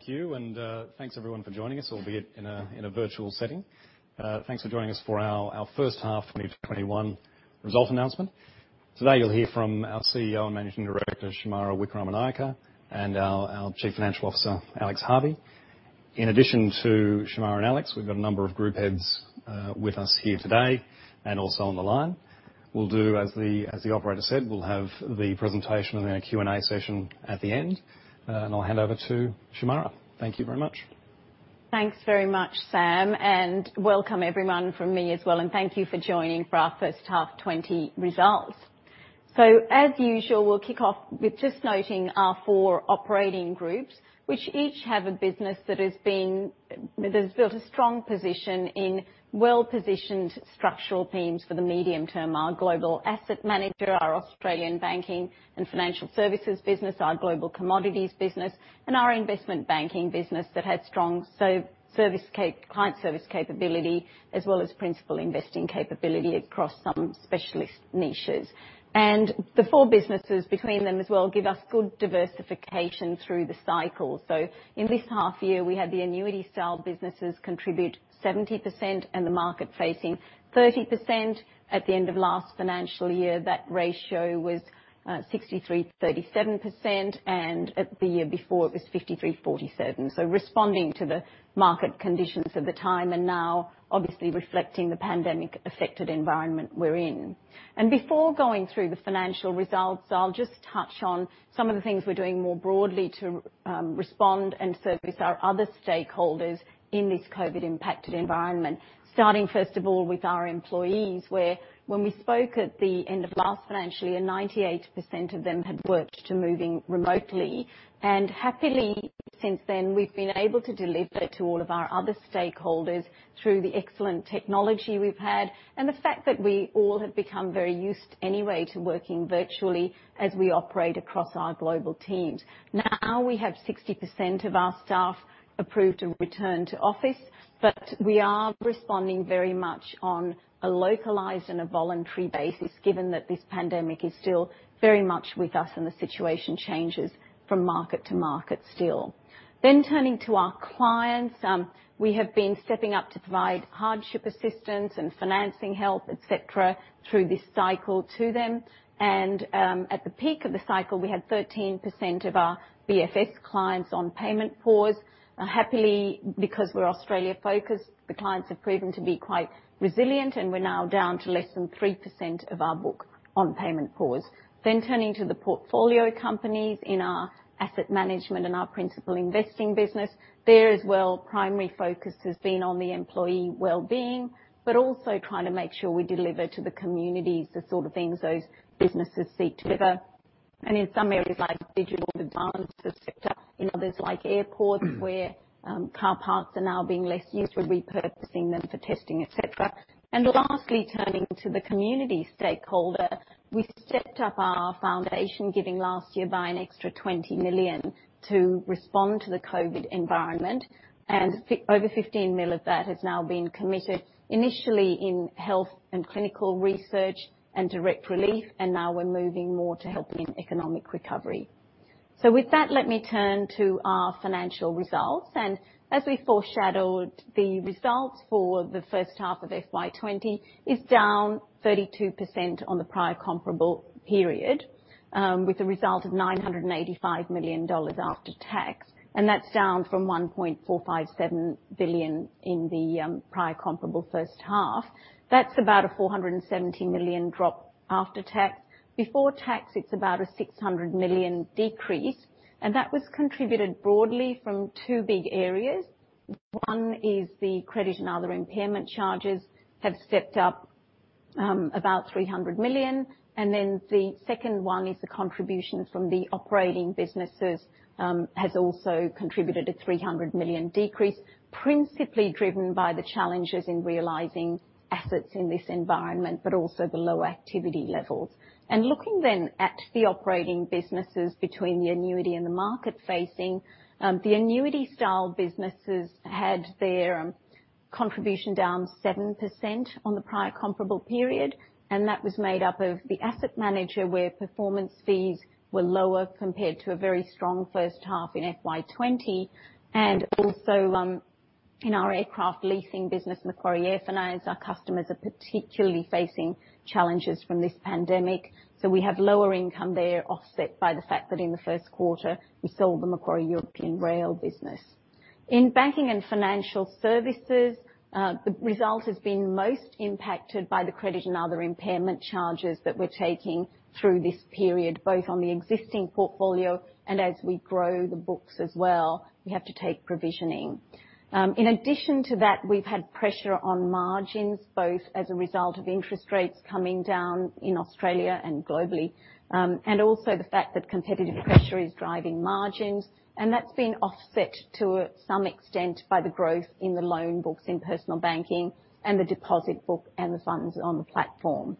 Thank you, and thanks everyone for joining us, albeit in a virtual setting. Thanks for joining us for our first half 2021 result announcement. Today, you'll hear from our CEO and Managing Director, Shemara Wikramanayake, and our Chief Financial Officer, Alex Harvey. In addition to Shemara and Alex, we've got a number of group heads with us here today, and also on the line. We'll do as the operator said, we'll have the presentation and then our Q&A session at the end. I'll hand over to Shemara. Thank you very much. Thanks very much, Sam, and welcome everyone from me as well, and thank you for joining for our first half FY 2020 results. As usual, we'll kick off with just noting our four operating groups, which each have a business that has built a strong position in well-positioned structural themes for the medium term. Our global asset manager, our Australian Banking and Financial Services business, our global commodities business, and our investment banking business that has strong client service capability, as well as principal investing capability across some specialist niches. The four businesses between them as well give us good diversification through the cycle. In this half year, we had the annuity style businesses contribute 70% and the market facing 30%. At the end of last financial year, that ratio was 63/37%, and at the year before it was 53/47. Responding to the market conditions at the time, and now obviously reflecting the pandemic-affected environment we're in. Before going through the financial results, I'll just touch on some of the things we're doing more broadly to respond and service our other stakeholders in this COVID-19 impacted environment. Starting first of all with our employees, where when we spoke at the end of last financial year, 98% of them had worked to moving remotely. Happily, since then, we've been able to deliver to all of our other stakeholders through the excellent technology we've had and the fact that we all have become very used anyway to working virtually as we operate across our global teams. Now we have 60% of our staff approved to return to office, but we are responding very much on a localized and a voluntary basis, given that this pandemic is still very much with us and the situation changes from market to market still. Turning to our clients, we have been stepping up to provide hardship assistance and financing help, et cetera, through this cycle to them. At the peak of the cycle, we had 13% of our BFS clients on payment pause. Happily, because we're Australia focused, the clients have proven to be quite resilient, and we're now down to less than 3% of our book on payment pause. Turning to the portfolio companies in our asset management and our principal investing business. There as well, primary focus has been on the employee wellbeing, also trying to make sure we deliver to the communities, the sort of things those businesses seek to deliver. In some areas, like digital and others like airports where car parks are now being less used, we're repurposing them for testing, et cetera. Lastly, turning to the community stakeholder, we stepped up our foundation giving last year by an extra 20 million to respond to the COVID environment. Over 15 million of that has now been committed, initially in health and clinical research and direct relief, now we're moving more to helping economic recovery. With that, let me turn to our financial results. As we foreshadowed, the results for the first half of FY 2020 is down 32% on the prior comparable period, with a result of 985 million dollars after tax. That's down from 1.457 billion in the prior comparable first half. That's about a 417 million drop after tax. Before tax, it's about a 600 million decrease, and that was contributed broadly from two big areas. One is the credit and other impairment charges have stepped up about 300 million. The second one is the contribution from the operating businesses has also contributed a 300 million decrease, principally driven by the challenges in realizing assets in this environment, but also the lower activity levels. Looking then at the operating businesses between the annuity and the market facing, the annuity style businesses had their contribution down 7% on the prior comparable period, and that was made up of the asset manager, where performance fees were lower compared to a very strong first half in FY20, and also in our aircraft leasing business, Macquarie AirFinance, our customers are particularly facing challenges from this pandemic. We have lower income there offset by the fact that in the first quarter, we sold the Macquarie European Rail business. In Banking and Financial Services, the result has been most impacted by the credit and other impairment charges that we're taking through this period, both on the existing portfolio and as we grow the books as well, we have to take provisioning. In addition to that, we've had pressure on margins, both as a result of interest rates coming down in Australia and globally. Also the fact that competitive pressure is driving margins, and that's been offset to some extent by the growth in the loan books in personal banking and the deposit book and the funds on the platform.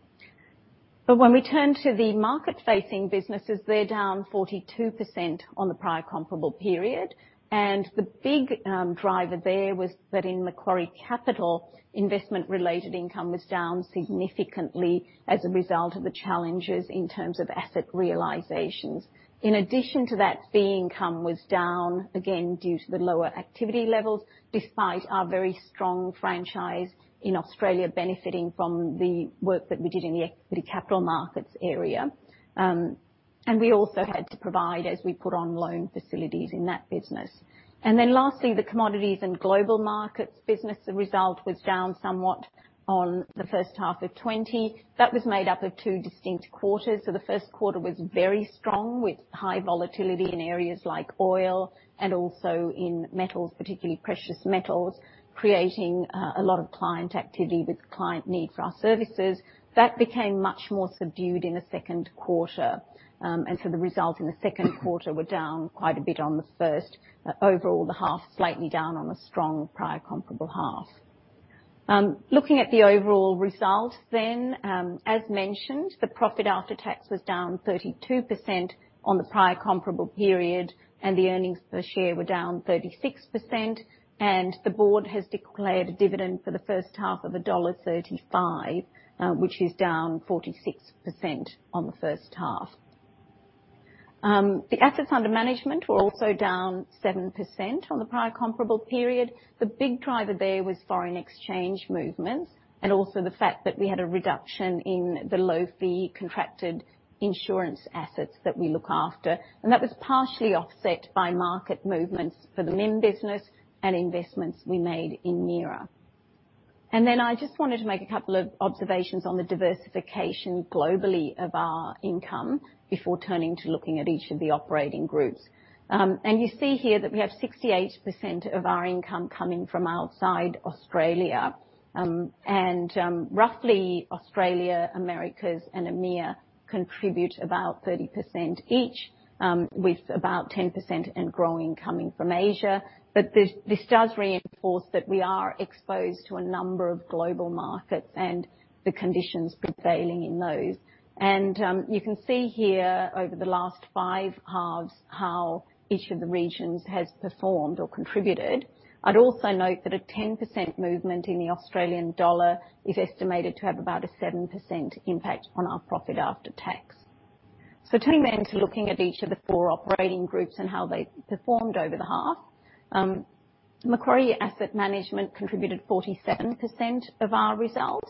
When we turn to the market-facing businesses, they're down 42% on the prior comparable period. The big driver there was that in Macquarie Capital, investment-related income was down significantly as a result of the challenges in terms of asset realizations. In addition to that, fee income was down again due to the lower activity levels, despite our very strong franchise in Australia benefiting from the work that we did in the equity capital markets area. We also had to provide as we put on loan facilities in that business. Lastly, the Commodities and Global Markets business result was down somewhat on the first half of 2020. That was made up of two distinct quarters. The first quarter was very strong, with high volatility in areas like oil and also in metals, particularly precious metals, creating a lot of client activity with client need for our services. That became much more subdued in the second quarter. The results in the second quarter were down quite a bit on the first. Overall, the half slightly down on a strong prior comparable half. Looking at the overall result, as mentioned, the profit after tax was down 32% on the prior comparable period, and the earnings per share were down 36%, and the board has declared a dividend for the first half of dollar 1.35, which is down 46% on the first half. The assets under management were also down 7% on the prior comparable period. The big driver there was foreign exchange movements and also the fact that we had a reduction in the low-fee contracted insurance assets that we look after. That was partially offset by market movements for the MIM business and investments we made in MIRA. Then I just wanted to make a couple of observations on the diversification globally of our income before turning to looking at each of the operating groups. You see here that we have 68% of our income coming from outside Australia. Roughly Australia, Americas, and EMEA contribute about 30% each, with about 10% and growing coming from Asia. This does reinforce that we are exposed to a number of global markets and the conditions prevailing in those. You can see here over the last five halves how each of the regions has performed or contributed. I'd also note that a 10% movement in the Australian dollar is estimated to have about a 7% impact on our profit after tax. Turning then to looking at each of the four operating groups and how they performed over the half. Macquarie Asset Management contributed 47% of our result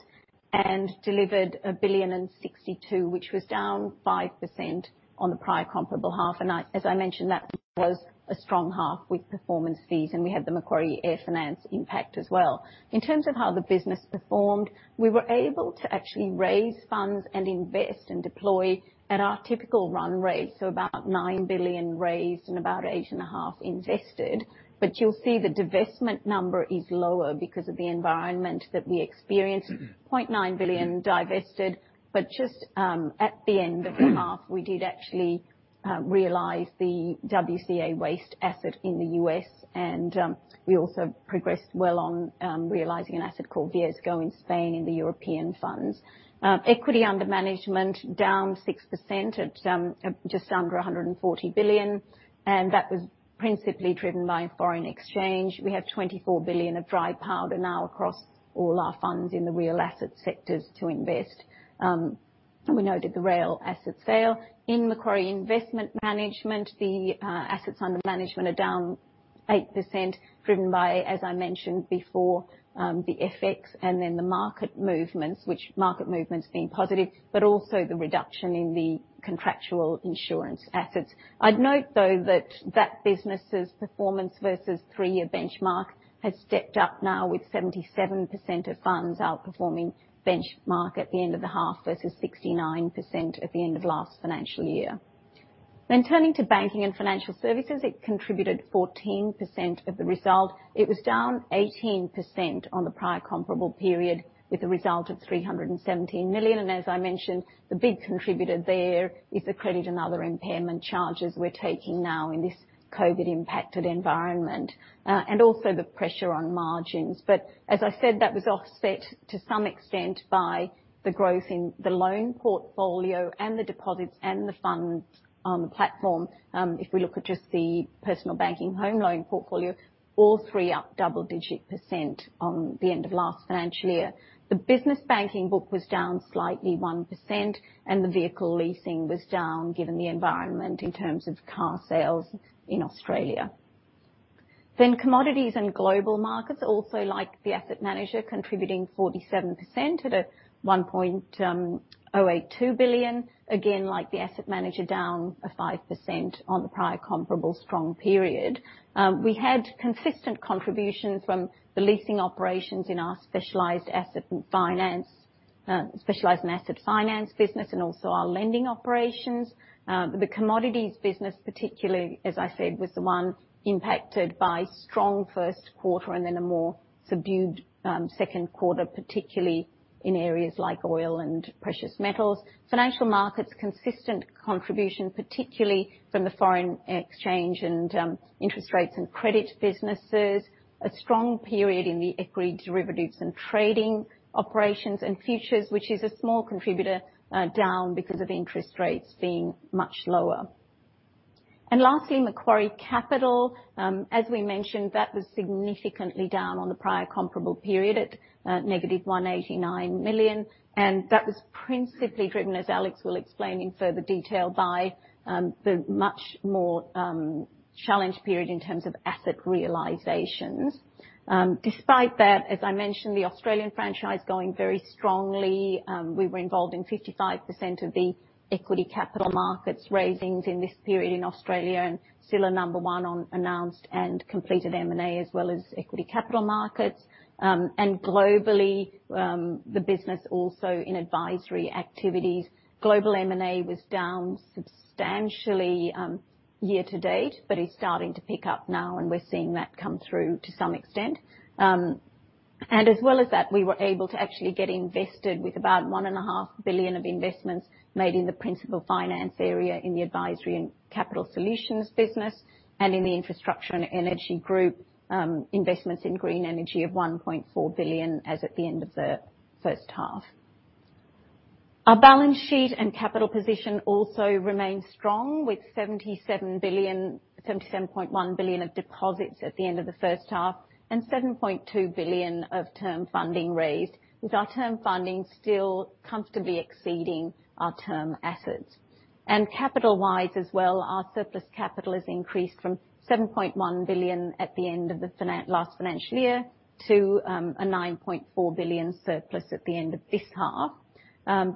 and delivered 1.062 billion, which was down 5% on the prior comparable half. As I mentioned, that was a strong half with performance fees, and we had the Macquarie AirFinance impact as well. In terms of how the business performed, we were able to actually raise funds and invest and deploy at our typical run rate, about 9 billion raised and about 8.5 billion invested. You'll see the divestment number is lower because of the environment that we experienced, 0.9 billion divested. Just at the end of the half, we did actually realize the WCA Waste Corporation Asset in the U.S., and we also progressed well on realizing an asset called Viesgo in Spain in the European funds. Equity under management, down 6% at just under 140 billion, and that was principally driven by foreign exchange. We have 24 billion of dry powder now across all our funds in the real asset sectors to invest. We noted the rail asset sale. In Macquarie Investment Management, the assets under management are down 8%, driven by, as I mentioned before, the FX and then the market movements, which market movements being positive, but also the reduction in the contractual insurance assets. I'd note, though, that that business's performance versus three-year benchmark has stepped up now with 77% of funds outperforming benchmark at the end of the half versus 69% at the end of last financial year. Turning to Banking and Financial Services, it contributed 14% of the result. It was down 18% on the prior comparable period with a result of 317 million. As I mentioned, the big contributor there is the credit and other impairment charges we're taking now in this COVID-impacted environment, also the pressure on margins. As I said, that was offset to some extent by the growth in the loan portfolio and the deposits and the funds on the platform. If we look at just the personal banking home loan portfolio, all three up double-digit percent on the end of last financial year. The business banking book was down slightly 1%, the vehicle leasing was down given the environment in terms of car sales in Australia. Commodities and Global Markets, also like the asset manager, contributing 47% at 1.082 billion. Like the asset manager, down 5% on the prior comparable strong period. We had consistent contributions from the leasing operations in our specialized asset finance business and also our lending operations. The commodities business, particularly, as I said, was the one impacted by strong first quarter and then a more subdued second quarter, particularly in areas like oil and precious metals. Financial Markets, consistent contribution, particularly from the foreign exchange and interest rates and credit businesses. A strong period in the equity derivatives and trading operations and futures, which is a small contributor down because of interest rates being much lower. Lastly, Macquarie Capital. As we mentioned, that was significantly down on the prior comparable period at -189 million. That was principally driven, as Alex will explain in further detail, by the much more challenged period in terms of asset realizations. Despite that, as I mentioned, the Australian franchise going very strongly. We were involved in 55% of the equity capital markets raisings in this period in Australia and still are number one on announced and completed M&A as well as equity capital markets. Globally, the business also in advisory activities. Global M&A was down substantially year to date, but is starting to pick up now and we're seeing that come through to some extent. As well as that, we were able to actually get invested with about 1.5 billion of investments made in the principal finance area in the advisory and capital solutions business and in the infrastructure and energy group, investments in green energy of 1.4 billion as at the end of the first half. Our balance sheet and capital position also remains strong, with 77.1 billion of deposits at the end of the first half and 7.2 billion of term funding raised, with our term funding still comfortably exceeding our term assets. Capital-wise as well, our surplus capital has increased from 7.1 billion at the end of the last financial year to a 9.4 billion surplus at the end of this half.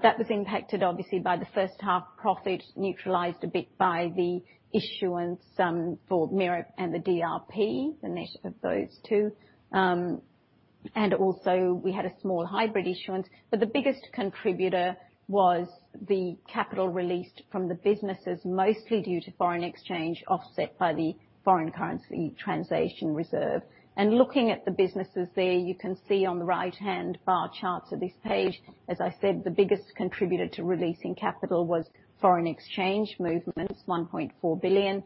That was impacted, obviously, by the first half profit, neutralized a bit by the issuance for MIRA and the DRP, the net of those two. Also we had a small hybrid issuance, but the biggest contributor was the capital released from the businesses, mostly due to foreign exchange, offset by the foreign currency translation reserve. Looking at the businesses there, you can see on the right-hand bar charts of this page, as I said, the biggest contributor to releasing capital was foreign exchange movements, 1.4 billion.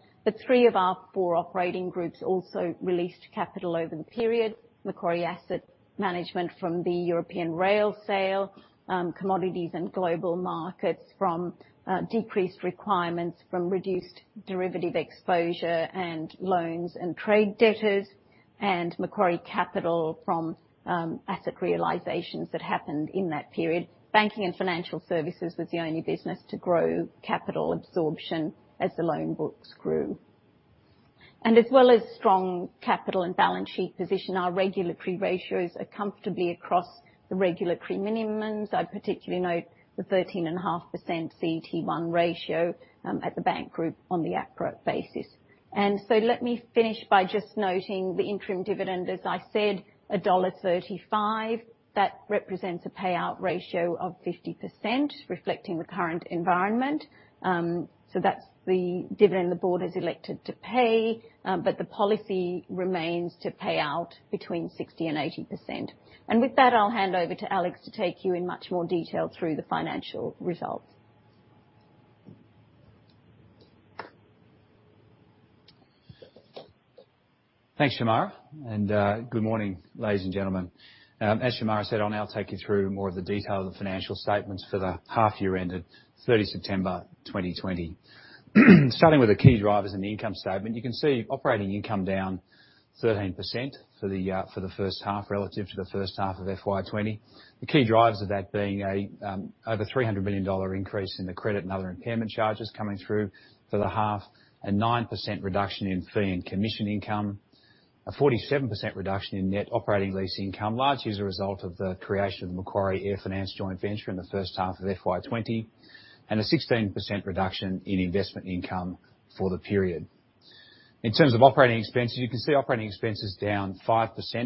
Three of our four operating groups also released capital over the period. Macquarie Asset Management from the European Rail sale, Commodities and Global Markets from decreased requirements from reduced derivative exposure and loans and trade debtors, and Macquarie Capital from asset realizations that happened in that period. Banking and Financial Services was the only business to grow capital absorption as the loan books grew. As well as strong capital and balance sheet position, our regulatory ratios are comfortably across the regulatory minimums. I particularly note the 13.5% CET1 ratio at the bank group on the APRA basis. Let me finish by just noting the interim dividend. As I said, dollar 1.35. That represents a payout ratio of 50%, reflecting the current environment. That's the dividend the board has elected to pay. The policy remains to pay out between 60%-80%. With that, I'll hand over to Alex to take you in much more detail through the financial results. Thanks, Shemara, and good morning, ladies and gentlemen. As Shemara said, I'll now take you through more of the detail of the financial statements for the half year ended 30 September 2020. Starting with the key drivers in the income statement, you can see operating income down 13% for the first half relative to the first half of FY 2020. The key drivers of that being over an 300 million dollar increase in the credit and other impairment charges coming through for the half, a 9% reduction in fee and commission income, a 47% reduction in net operating lease income, largely as a result of the creation of the Macquarie AirFinance joint venture in the first half of FY 2020, and a 16% reduction in investment income for the period. In terms of operating expenses, you can see operating expenses down 5%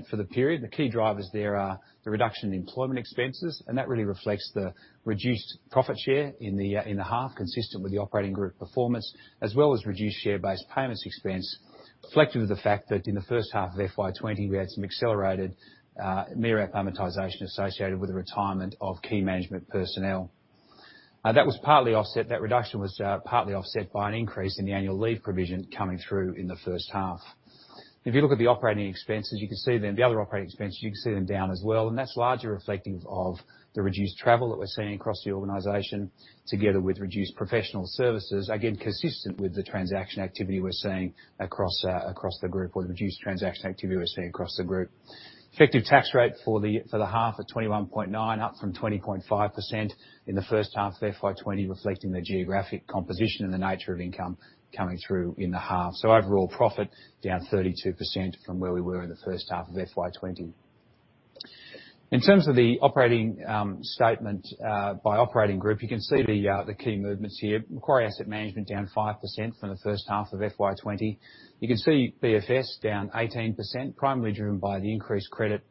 for the period. The key drivers there are the reduction in employment expenses, and that really reflects the reduced profit share in the half, consistent with the operating group performance, as well as reduced share-based payments expense, reflective of the fact that in the first half of FY 20, we had some accelerated MEREP amortization associated with the retirement of key management personnel. That reduction was partly offset by an increase in the annual leave provision coming through in the first half. If you look at the operating expenses, you can see then the other operating expenses, you can see them down as well, and that's largely reflective of the reduced travel that we're seeing across the organization together with reduced professional services, again, consistent with the transaction activity we're seeing across the group or the reduced transaction activity we're seeing across the group. Effective tax rate for the half at 21.9%, up from 20.5% in the first half of FY 2020, reflecting the geographic composition and the nature of income coming through in the half. Overall profit down 32% from where we were in the first half of FY 2020. In terms of the operating statement by operating group, you can see the key movements here. Macquarie Asset Management down 5% from the first half of FY 2020. You can see BFS down 18%, primarily driven by the increased credit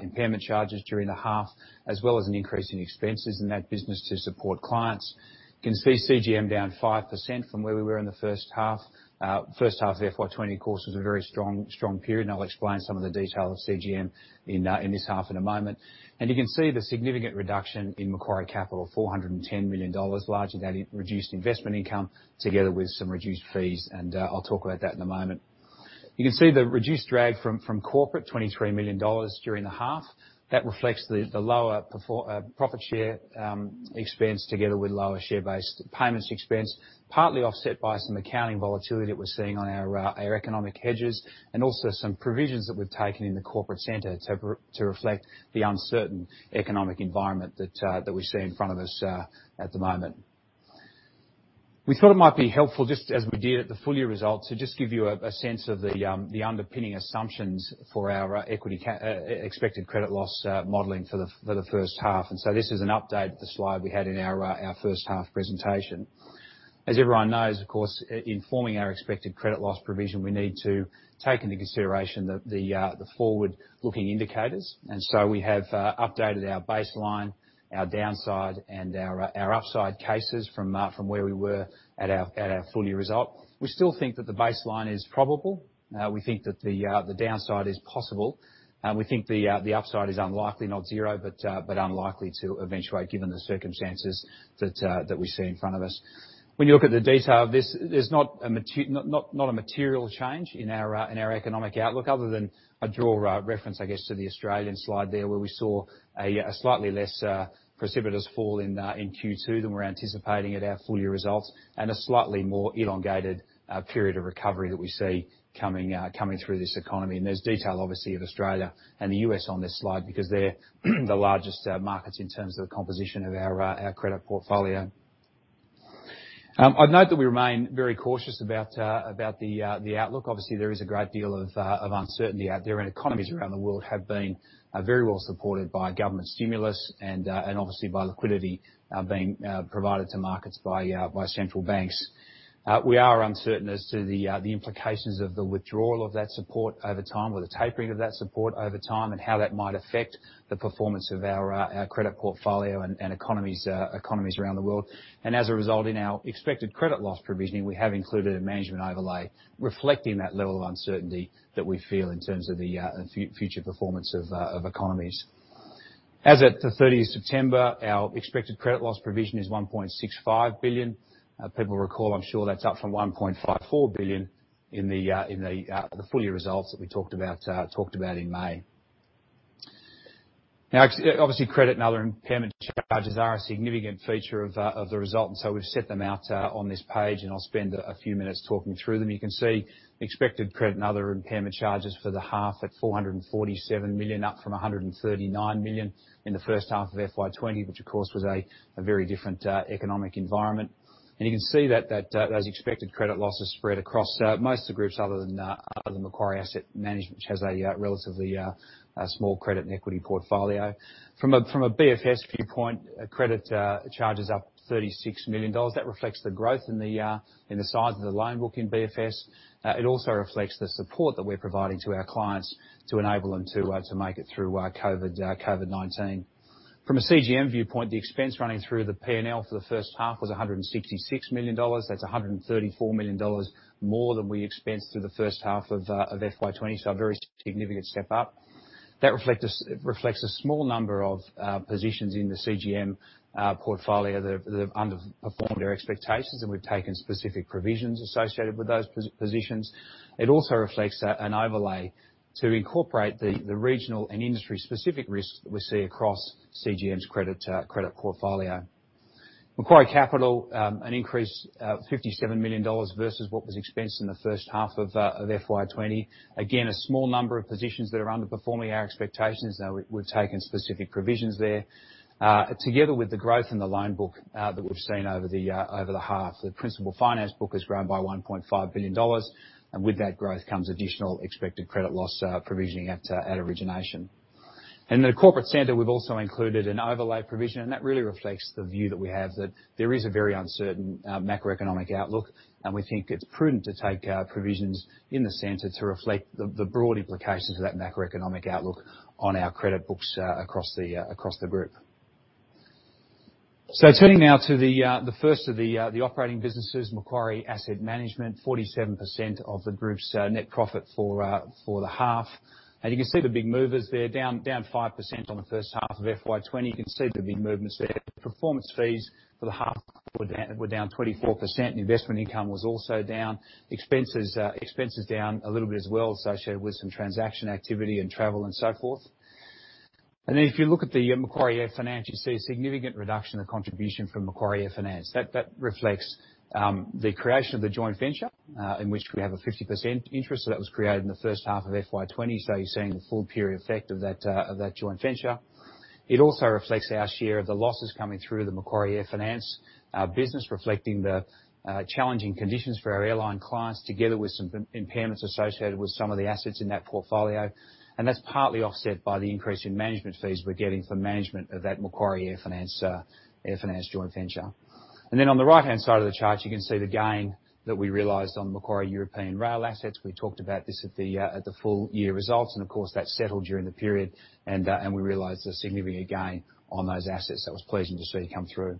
impairment charges during the half, as well as an increase in expenses in that business to support clients. You can see CGM down 5% from where we were in the first half. First half of FY 2020, of course, was a very strong period, and I'll explain some of the detail of CGM in this half in a moment. You can see the significant reduction in Macquarie Capital, 410 million dollars, largely that reduced investment income together with some reduced fees, and I'll talk about that in a moment. You can see the reduced drag from corporate, 23 million dollars during the half. That reflects the lower profit share expense together with lower share-based payments expense, partly offset by some accounting volatility that we're seeing on our economic hedges and also some provisions that we've taken in the corporate center to reflect the uncertain economic environment that we see in front of us at the moment. We thought it might be helpful, just as we did at the full year results, to just give you a sense of the underpinning assumptions for our expected credit loss modeling for the first half. This is an update of the slide we had in our first half presentation. As everyone knows, of course, in forming our expected credit loss provision, we need to take into consideration the forward-looking indicators. We have updated our baseline, our downside, and our upside cases from where we were at our full year result. We still think that the baseline is probable. We think that the downside is possible. We think the upside is unlikely, not zero, but unlikely to eventuate given the circumstances that we see in front of us. When you look at the detail of this, there is not a material change in our economic outlook other than I draw reference, I guess, to the Australian slide there, where we saw a slightly less precipitous fall in Q2 than we are anticipating at our full year results, and a slightly more elongated period of recovery that we see coming through this economy. There's detail, obviously, of Australia and the U.S. on this slide, because they're the largest markets in terms of the composition of our credit portfolio. I'd note that we remain very cautious about the outlook. Obviously, there is a great deal of uncertainty out there, and economies around the world have been very well supported by government stimulus and obviously by liquidity being provided to markets by central banks. We are uncertain as to the implications of the withdrawal of that support over time, or the tapering of that support over time, and how that might affect the performance of our credit portfolio and economies around the world. As a result, in our expected credit loss provisioning, we have included a management overlay reflecting that level of uncertainty that we feel in terms of the future performance of economies. As at the 30th September, our expected credit loss provision is 1.65 billion. People recall, I'm sure that's up from 1.54 billion in the full year results that we talked about in May. Obviously, credit and other impairment charges are a significant feature of the result. We've set them out on this page. I'll spend a few minutes talking through them. You can see expected credit and other impairment charges for the half at 447 million, up from 139 million in the first half of FY 2020, which of course, was a very different economic environment. You can see that those expected credit losses spread across most of the groups other than Macquarie Asset Management, which has a relatively small credit and equity portfolio. From a BFS viewpoint, credit charges up 36 million dollars. That reflects the growth in the size of the loan book in BFS. It also reflects the support that we're providing to our clients to enable them to make it through COVID-19. From a CGM viewpoint, the expense running through the P&L for the first half was 166 million dollars. That's 134 million dollars more than we expensed through the first half of FY 2020, so a very significant step up. That reflects a small number of positions in the CGM portfolio that have underperformed our expectations, and we've taken specific provisions associated with those positions. It also reflects an overlay to incorporate the regional and industry-specific risk that we see across CGM's credit portfolio. Macquarie Capital, an increase, 57 million dollars versus what was expensed in the first half of FY 2020. Again, a small number of positions that are underperforming our expectations. Now we've taken specific provisions there. Together with the growth in the loan book that we've seen over the half, the principal finance book has grown by 1.5 billion dollars, and with that growth comes additional expected credit loss provisioning at origination. In the corporate center, we've also included an overlay provision, and that really reflects the view that we have that there is a very uncertain macroeconomic outlook, and we think it's prudent to take provisions in the center to reflect the broad implications of that macroeconomic outlook on our credit books across the group. Turning now to the first of the operating businesses, Macquarie Asset Management, 47% of the group's net profit for the half. You can see the big movers there, down 5% on the first half of FY 2020. You can see the big movements there. Performance fees for the half were down 24%, investment income was also down, expenses down a little bit as well, associated with some transaction activity and travel and so forth. If you look at the Macquarie AirFinance, you see a significant reduction in contribution from Macquarie AirFinance. That reflects the creation of the joint venture in which we have a 50% interest. That was created in the first half of FY 2020. You're seeing the full period effect of that joint venture. It also reflects our share of the losses coming through the Macquarie AirFinance business, reflecting the challenging conditions for our airline clients, together with some impairments associated with some of the assets in that portfolio. That's partly offset by the increase in management fees we're getting for management of that Macquarie AirFinance joint venture. On the right-hand side of the chart, you can see the gain that we realized on Macquarie European Rail assets. We talked about this at the full year results. Of course, that settled during the period. We realized a significant gain on those assets. That was pleasing to see come through.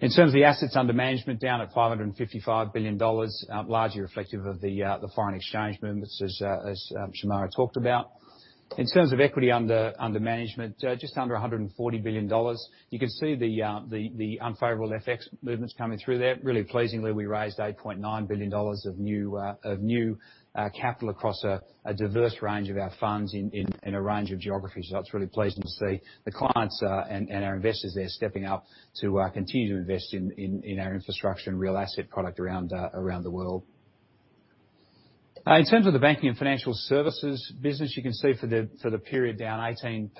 In terms of the assets under management, down at 555 billion dollars, largely reflective of the foreign exchange movements, as Shemara talked about. In terms of equity under management, just under 140 billion dollars. You can see the unfavorable FX movements coming through there. Really pleasingly, we raised 8.9 billion dollars of new capital across a diverse range of our funds in a range of geographies. That's really pleasing to see. The clients and our investors there stepping up to continue to invest in our infrastructure and real asset product around the world. In terms of the Banking and Financial Services business, you can see for the period, down 18%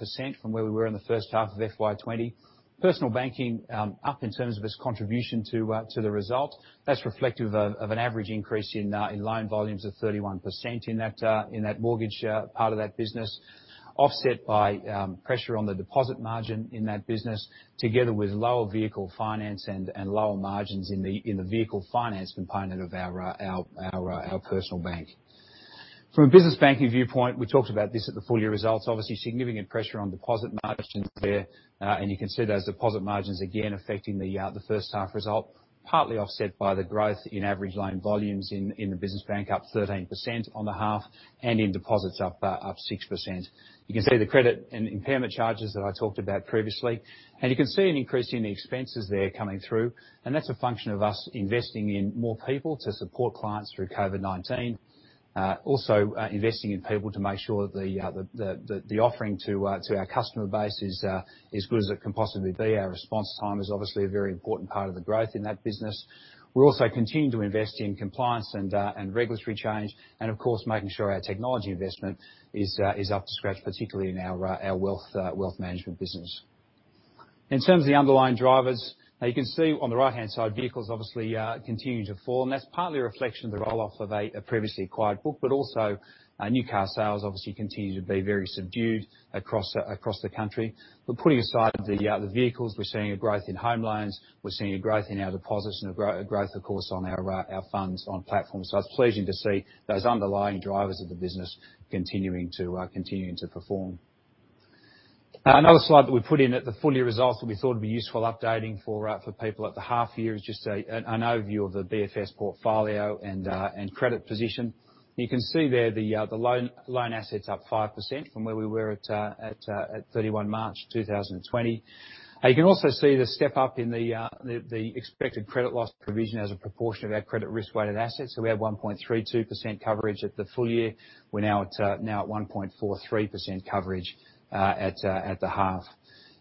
from where we were in the first half of FY 2020. Personal Banking, up in terms of its contribution to the result. That's reflective of an average increase in loan volumes of 31% in that mortgage part of that business, offset by pressure on the deposit margin in that business, together with lower vehicle finance and lower margins in the vehicle finance component of our personal bank. From a business banking viewpoint, we talked about this at the full year results, obviously, significant pressure on deposit margins there. You can see those deposit margins again affecting the first half result, partly offset by the growth in average loan volumes in the Business Bank, up 13% on the half, and in deposits up 6%. You can see the credit and impairment charges that I talked about previously, and you can see an increase in the expenses there coming through. That's a function of us investing in more people to support clients through COVID-19. Also, investing in people to make sure that the offering to our customer base is as good as it can possibly be. Our response time is obviously a very important part of the growth in that business. We're also continuing to invest in compliance and regulatory change, and of course, making sure our technology investment is up to scratch, particularly in our wealth management business. In terms of the underlying drivers, you can see on the right-hand side, vehicles obviously continue to fall, and that's partly a reflection of the roll-off of a previously acquired book. Also, new car sales obviously continue to be very subdued across the country. Putting aside the vehicles, we're seeing a growth in home loans. We're seeing a growth in our deposits and a growth, of course, on our funds on platform. It's pleasing to see those underlying drivers of the business continuing to perform. Another slide that we put in at the full year results that we thought would be useful updating for people at the half year is just an overview of the BFS portfolio and credit position. You can see there the loan assets up 5% from where we were at 31 March 2020. You can also see the step-up in the expected credit loss provision as a proportion of our credit risk-weighted assets. We have 1.32% coverage at the full year. We're now at 1.43% coverage at the half.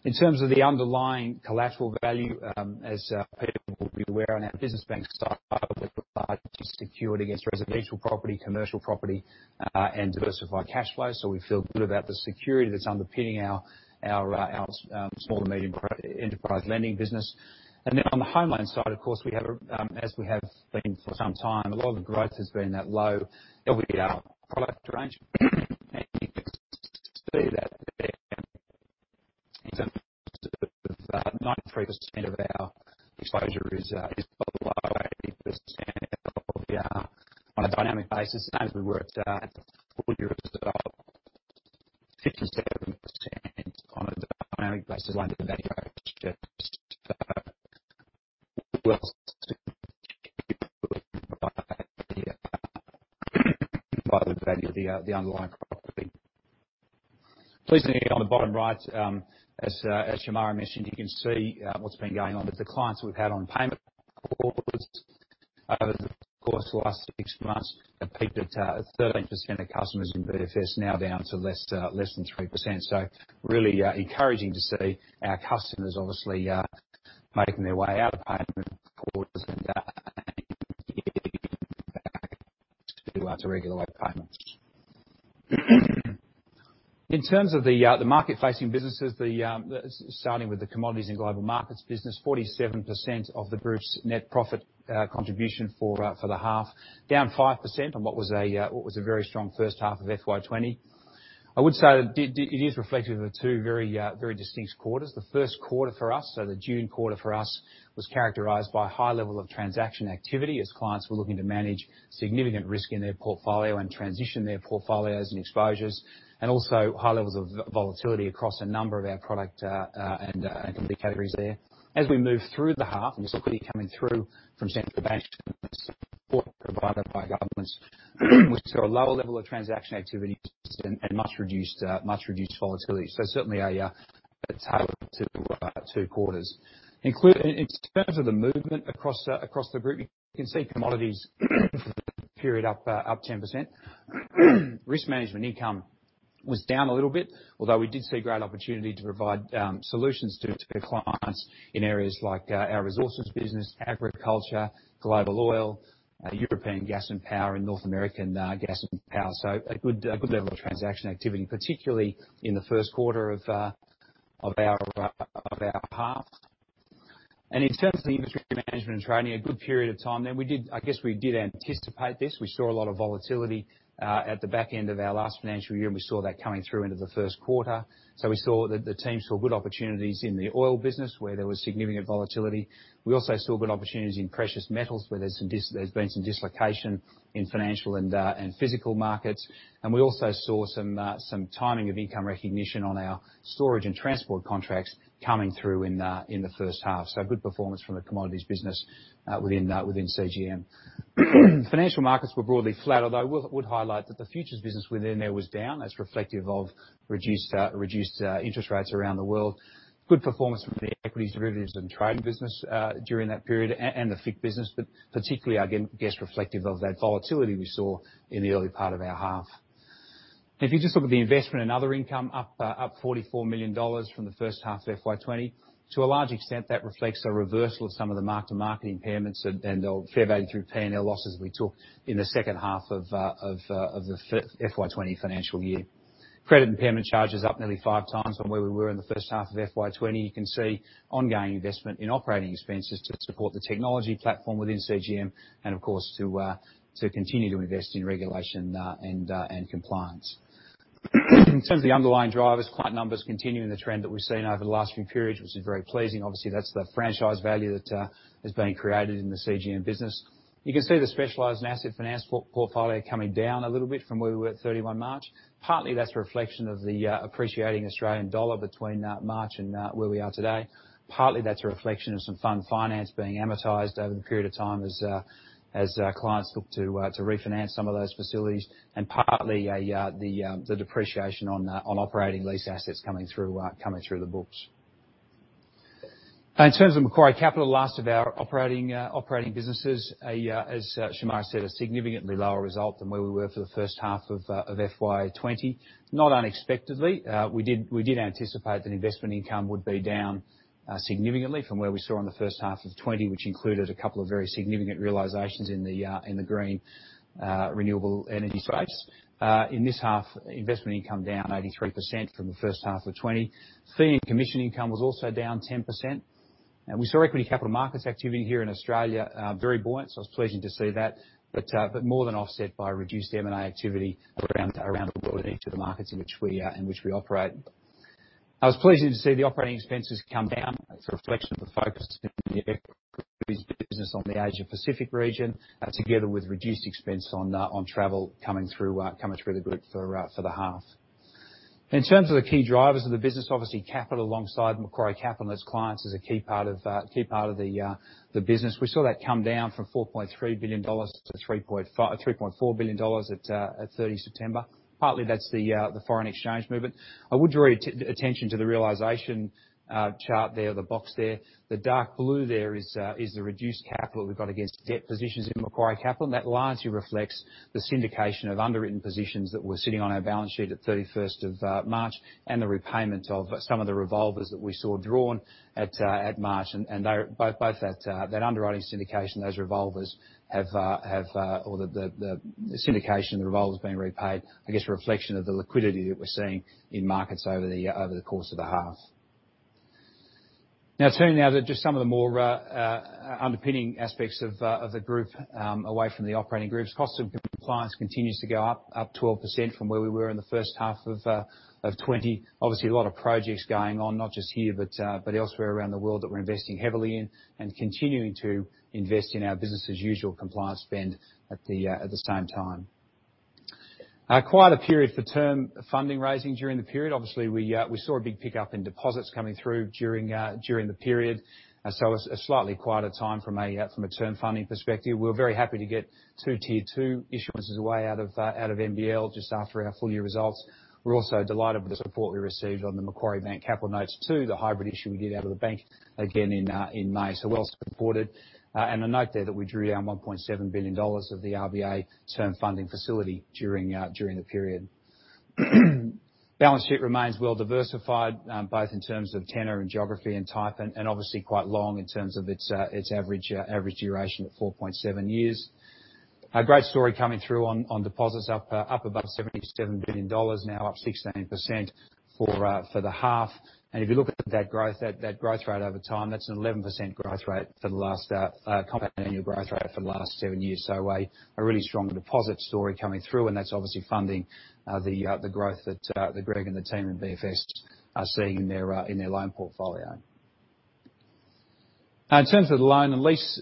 In terms of the underlying collateral value, as people will be aware, on our business banking side, secured against residential property, commercial property, and diversified cash flow. We feel good about the security that's underpinning our small to medium enterprise lending business. On the home loan side, of course, as we have been for some time, a lot of the growth has been that low product range. You can see that there 93% of our exposure is below 80% LVR on a dynamic basis, same as we were at full year result, 57% on a dynamic basis by the value of the underlying property. Pleasing on the bottom right, as Shemara mentioned, you can see what's been going on with the clients we've had on payment over the course of the last six months that peaked at 13% of customers in BFS now down to less than 3%. Really encouraging to see our customers obviously making their way out of payment quarters and to regular payments. In terms of the market-facing businesses, starting with the Commodities and Global Markets business, 47% of the group's net profit contribution for the half. Down 5% on what was a very strong first half of FY 2020. I would say that it is reflective of the two very distinct quarters. The first quarter for us, so the June quarter for us, was characterized by a high level of transaction activity as clients were looking to manage significant risk in their portfolio and transition their portfolios and exposures, and also high levels of volatility across a number of our product and commodity categories there. We move through the half and you saw liquidity coming through from central banks, support provided by governments, we saw a lower level of transaction activity and much reduced volatility. Certainly a tailored two quarters. In terms of the movement across the group, you can see Commodities period up 10%. Risk management income was down a little bit, although we did see great opportunity to provide solutions to clients in areas like our resources business, agriculture, global oil, European gas and power, and North American gas and power. A good level of transaction activity, particularly in the first quarter of our half. In terms of the inventory management and trading, a good period of time. I guess we did anticipate this. We saw a lot of volatility at the back end of our last financial year, and we saw that coming through into the first quarter. We saw that the teams saw good opportunities in the oil business, where there was significant volatility. We also saw good opportunities in precious metals, where there's been some dislocation in financial and physical markets. We also saw some timing of income recognition on our storage and transport contracts coming through in the first half. Good performance from the commodities business within CGM. Financial markets were broadly flat, although I would highlight that the futures business within there was down. That's reflective of reduced interest rates around the world. Good performance from the equities, derivatives, and trading business during that period, and the FIC business, particularly, I guess, reflective of that volatility we saw in the early part of our half. You just look at the investment and other income up 44 million dollars from the first half of FY 2020. To a large extent, that reflects a reversal of some of the mark-to-market impairments and the fair value through P&L losses we took in the second half of the FY 2020 financial year. Credit impairment charges up nearly five times from where we were in the first half of FY 2020. You can see ongoing investment in operating expenses to support the technology platform within CGM and of course, to continue to invest in regulation and compliance. In terms of the underlying drivers, client numbers continue in the trend that we've seen over the last few periods, which is very pleasing. That's the franchise value that has been created in the CGM business. You can see the specialized and asset finance portfolio coming down a little bit from where we were at 31 March. Partly that's a reflection of the appreciating Australian dollar between March and where we are today. Partly that's a reflection of some fund finance being amortized over the period of time as clients look to refinance some of those facilities, and partly the depreciation on operating lease assets coming through the books. In terms of Macquarie Capital, the last of our operating businesses, as Shemara said, a significantly lower result than where we were for the first half of FY 2020. Not unexpectedly. We did anticipate that investment income would be down significantly from where we saw in the first half of FY 2020, which included a couple of very significant realizations in the green renewable energy space. In this half, investment income down 83% from the first half of FY 2020. Fee and commission income was also down 10%. We saw equity capital markets activity here in Australia, very buoyant, so it was pleasing to see that. More than offset by reduced M&A activity around the world in each of the markets in which we operate. I was pleased to see the operating expenses come down. It's a reflection of the focus in the equities business on the Asia Pacific region, together with reduced expense on travel coming through the group for the half. In terms of the key drivers of the business, obviously Capital alongside Macquarie Capital and its clients is a key part of the business. We saw that come down from 4.3 billion dollars to 3.4 billion dollars at 30 September. Partly that's the foreign exchange movement. I would draw attention to the realization chart there, the box there. The dark blue there is the reduced capital we've got against debt positions in Macquarie Capital, and that largely reflects the syndication of underwritten positions that were sitting on our balance sheet at 31st of March, and the repayment of some of the revolvers that we saw drawn at March. Both that underwriting syndication, those revolvers, or the syndication of the revolvers being repaid, I guess, a reflection of the liquidity that we're seeing in markets over the course of the half. Turning now to just some of the more underpinning aspects of the group, away from the operating groups. Cost of compliance continues to go up 12% from where we were in the first half of FY 2020. A lot of projects going on, not just here but elsewhere around the world that we're investing heavily in and continuing to invest in our business as usual compliance spend at the same time. Quite a period for term funding raising during the period. We saw a big pickup in deposits coming through during the period. It was a slightly quieter time from a term funding perspective. We were very happy to get 2 Tier-2 issuances away out of MBL just after our full-year results. We're also delighted with the support we received on the Macquarie Bank Capital Notes 2, the hybrid issue we did out of the bank again in May. Well supported. A note there that we drew down 1.7 billion dollars of the RBA term funding facility during the period. Balance sheet remains well diversified, both in terms of tenor and geography and type, and obviously quite long in terms of its average duration at 4.7 years. A great story coming through on deposits up above AUD 77 billion, now up 16% for the half. If you look at that growth rate over time, that's an 11% compounded annual growth rate for the last seven years. A really strong deposit story coming through, and that's obviously funding the growth that Greg and the team in BFS are seeing in their loan portfolio. In terms of the loan and lease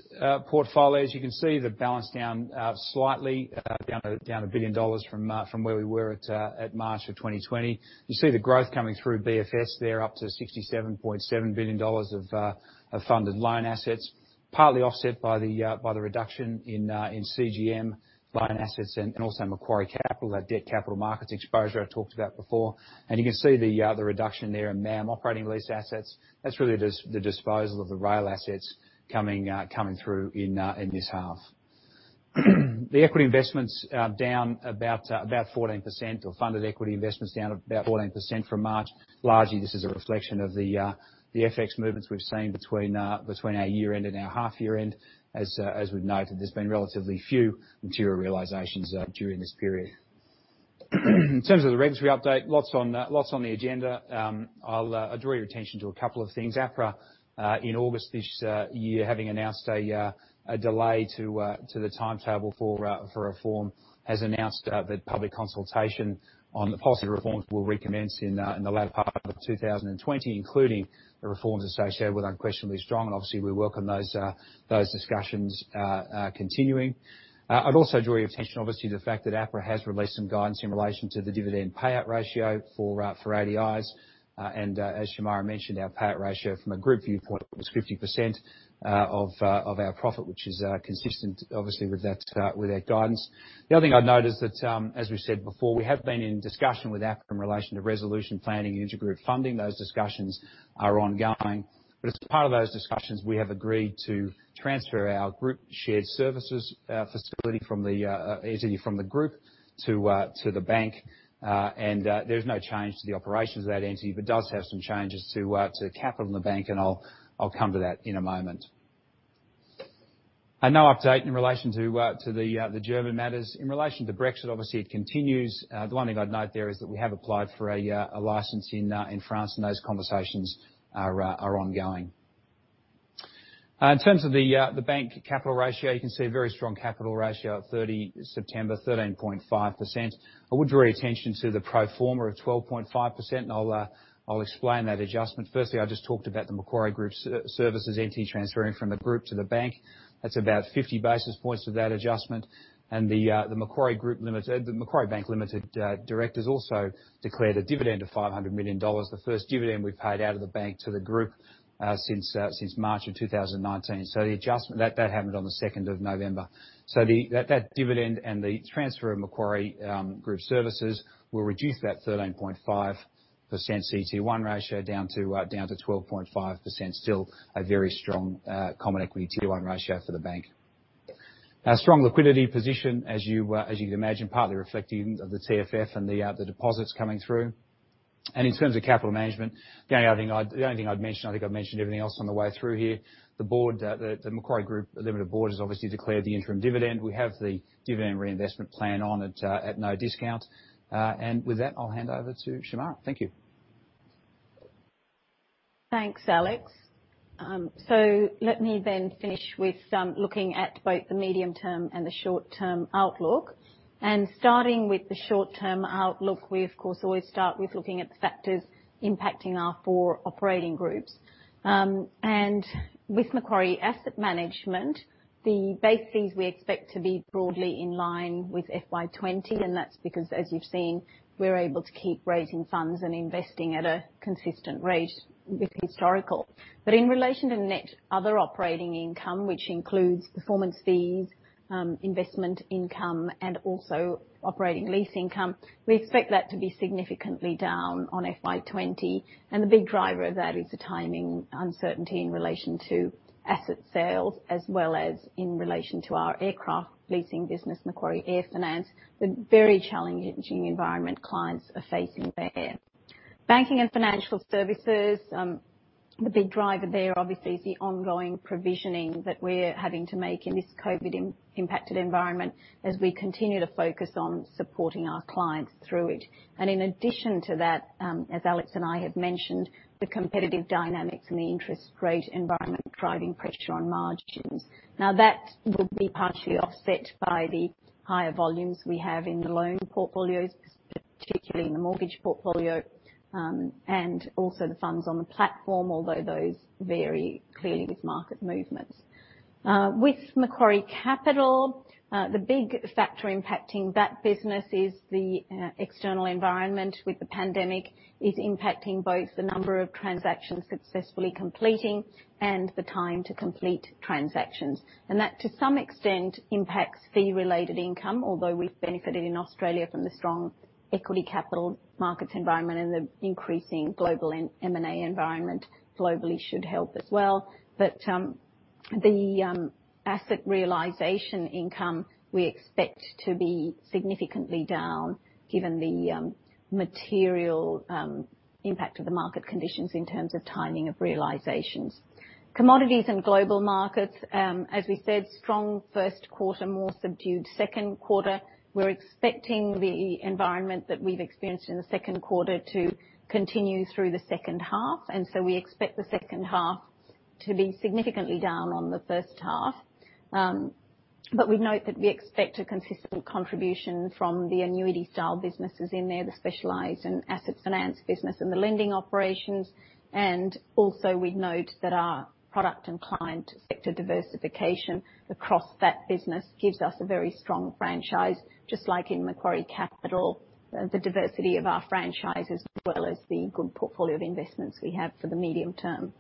portfolio, as you can see, the balance down slightly, down 1 billion dollars from where we were at March 2020. You see the growth coming through BFS there, up to 67.7 billion dollars of funded loan assets, partly offset by the reduction in CGM loan assets and also Macquarie Capital, that debt capital markets exposure I talked about before. You can see the reduction there in MAM operating lease assets. That's really the disposal of the rail assets coming through in this half. The equity investments down about 14%, or funded equity investments down about 14% from March. Largely, this is a reflection of the FX movements we've seen between our year end and our half year end. As we've noted, there's been relatively few material realizations during this period. In terms of the regulatory update, lots on the agenda. I'll draw your attention to a couple of things. APRA, in August this year, having announced a delay to the timetable for reform, has announced that public consultation on the policy reforms will recommence in the latter part of 2020, including the reforms associated with unquestionably strong. Obviously, we welcome those discussions continuing. I'd also draw your attention, obviously, to the fact that APRA has released some guidance in relation to the dividend payout ratio for ADIs. As Shemara mentioned, our payout ratio from a group viewpoint was 50% of our profit, which is consistent, obviously, with their guidance. The other thing I'd note is that, as we've said before, we have been in discussion with APRA in relation to resolution planning intergroup funding. Those discussions are ongoing. As part of those discussions, we have agreed to transfer our group shared services facility from the entity from the Group to the Bank. There is no change to the operations of that entity, but does have some changes to capital in the Bank, and I'll come to that in a moment. No update in relation to the German matters. In relation to Brexit, obviously, it continues. The one thing I'd note there is that we have applied for a license in France, and those conversations are ongoing. In terms of the bank capital ratio, you can see a very strong capital ratio at 30 September, 13.5%. I would draw your attention to the pro forma of 12.5%, and I'll explain that adjustment. Firstly, I just talked about the Macquarie Group services entity transferring from the Group to the bank. That's about 50 basis points for that adjustment. The Macquarie Bank Limited directors also declared a dividend of 500 million dollars, the first dividend we paid out of the bank to the group since March of 2019. That happened on the 2nd of November. That dividend and the transfer of Macquarie Group services will reduce that 13.5% CET1 ratio down to 12.5%, still a very strong common equity tier one ratio for the bank. A strong liquidity position, as you'd imagine, partly reflective of the TFF and the deposits coming through. In terms of capital management, the only thing I'd mention, I think I've mentioned everything else on the way through here. The Macquarie Group Limited board has obviously declared the interim dividend. We have the dividend reinvestment plan on at no discount. With that, I'll hand over to Shemara. Thank you. Thanks, Alex. Let me then finish with looking at both the medium term and the short term outlook. Starting with the short term outlook, we, of course, always start with looking at the factors impacting our four operating groups. With Macquarie Asset Management, the base fees we expect to be broadly in line with FY 2020, and that's because, as you've seen, we're able to keep raising funds and investing at a consistent rate with historical. In relation to net other operating income, which includes performance fees, investment income, and also operating lease income, we expect that to be significantly down on FY 2020. The big driver of that is the timing uncertainty in relation to asset sales, as well as in relation to our aircraft leasing business, Macquarie AirFinance, the very challenging environment clients are facing there. Banking and Financial Services, the big driver there obviously is the ongoing provisioning that we're having to make in this COVID-19 impacted environment as we continue to focus on supporting our clients through it. In addition to that, as Alex and I have mentioned, the competitive dynamics and the interest rate environment driving pressure on margins. Now, that will be partially offset by the higher volumes we have in the loan portfolios, particularly in the mortgage portfolio, and also the funds on the platform, although those vary clearly with market movements. With Macquarie Capital, the big factor impacting that business is the external environment with the pandemic is impacting both the number of transactions successfully completing and the time to complete transactions. That, to some extent, impacts fee-related income, although we've benefited in Australia from the strong equity capital markets environment and the increasing global M&A environment globally should help as well. The asset realization income we expect to be significantly down given the material impact of the market conditions in terms of timing of realizations. Commodities and Global Markets, as we said, strong first quarter, more subdued second quarter. We're expecting the environment that we've experienced in the second quarter to continue through the second half. We expect the second half to be significantly down on the first half. We'd note that we expect a consistent contribution from the annuity-style businesses in there, the specialized and asset finance business and the lending operations. Also we'd note that our product and client sector diversification across that business gives us a very strong franchise, just like in Macquarie Capital, the diversity of our franchise, as well as the good portfolio of investments we have for the medium term.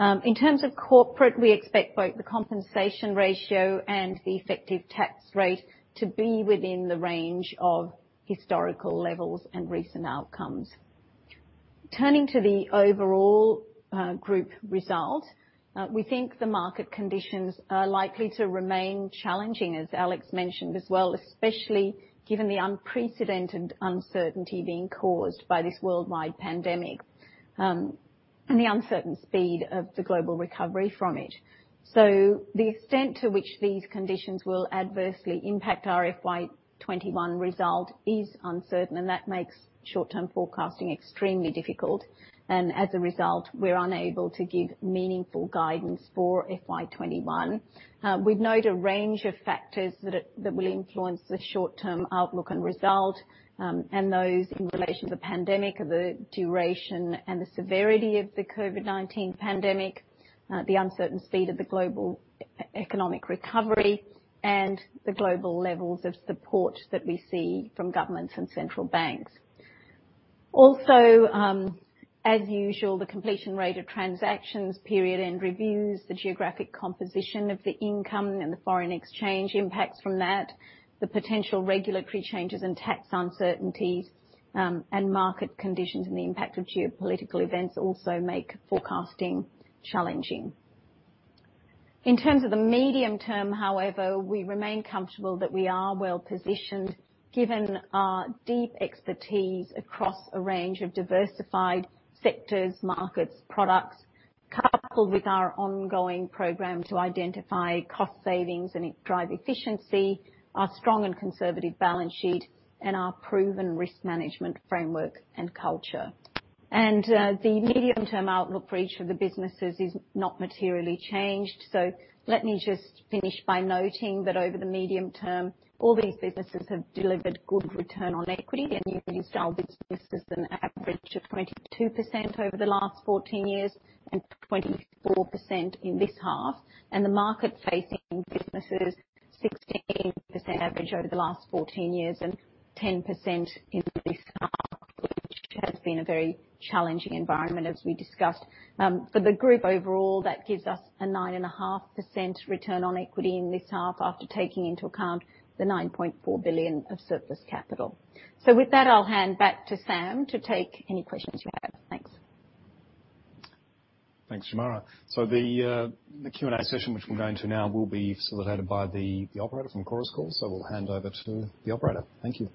In terms of corporate, we expect both the compensation ratio and the effective tax rate to be within the range of historical levels and recent outcomes. Turning to the overall group result, we think the market conditions are likely to remain challenging, as Alex mentioned as well, especially given the unprecedented uncertainty being caused by this worldwide pandemic, and the uncertain speed of the global recovery from it. The extent to which these conditions will adversely impact our FY 2021 result is uncertain, and that makes short-term forecasting extremely difficult. As a result, we're unable to give meaningful guidance for FY 2021. We'd note a range of factors that will influence the short-term outlook and result, and those in relation to the pandemic, the duration and the severity of the COVID-19 pandemic, the uncertain speed of the global economic recovery, and the global levels of support that we see from governments and central banks. Also, as usual, the completion rate of transactions, period-end reviews, the geographic composition of the income and the foreign exchange impacts from that, the potential regulatory changes and tax uncertainties, and market conditions and the impact of geopolitical events also make forecasting challenging. In terms of the medium term, however, we remain comfortable that we are well-positioned given our deep expertise across a range of diversified sectors, markets, products. Coupled with our ongoing program to identify cost savings and drive efficiency, our strong and conservative balance sheet, and our proven risk management framework and culture. The medium-term outlook for each of the businesses is not materially changed. Let me just finish by noting that over the medium term, all these businesses have delivered good return on equity. The annuity-style businesses is an average of 22% over the last 14 years and 24% in this half. The market-facing businesses, 16% average over the last 14 years and 10% in this half, which has been a very challenging environment as we discussed. For the group overall, that gives us a 9.5% return on equity in this half after taking into account the 9.4 billion of surplus capital. With that, I'll hand back to Sam to take any questions you have. Thanks. Thanks, Shemara. The Q&A session, which we'll go into now, will be facilitated by the operator from Chorus Call. We'll hand over to the operator. Thank you.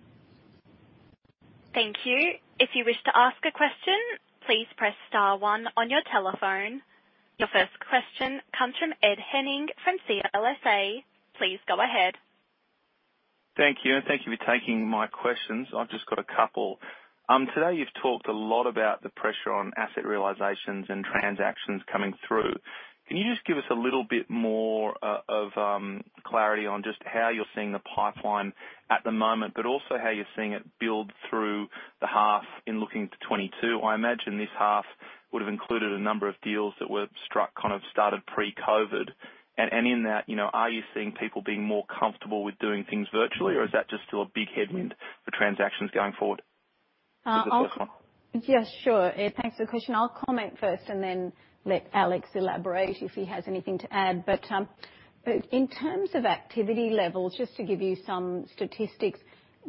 Thank you. If you wish to ask a question please press star one. Your first question comes from Ed Henning from CLSA. Please go ahead. Thank you. Thank you for taking my questions. I've just got a couple. Today, you've talked a lot about the pressure on asset realizations and transactions coming through. Can you just give us a little bit more of clarity on just how you're seeing the pipeline at the moment, but also how you're seeing it build through the half in looking to 2022? I imagine this half would have included a number of deals that were struck, kind of started pre-COVID. In that, are you seeing people being more comfortable with doing things virtually, or is that just still a big headwind for transactions going forward? Yeah, sure. Ed, thanks for the question. I'll comment first and then let Alex elaborate if he has anything to add. In terms of activity levels, just to give you some statistics,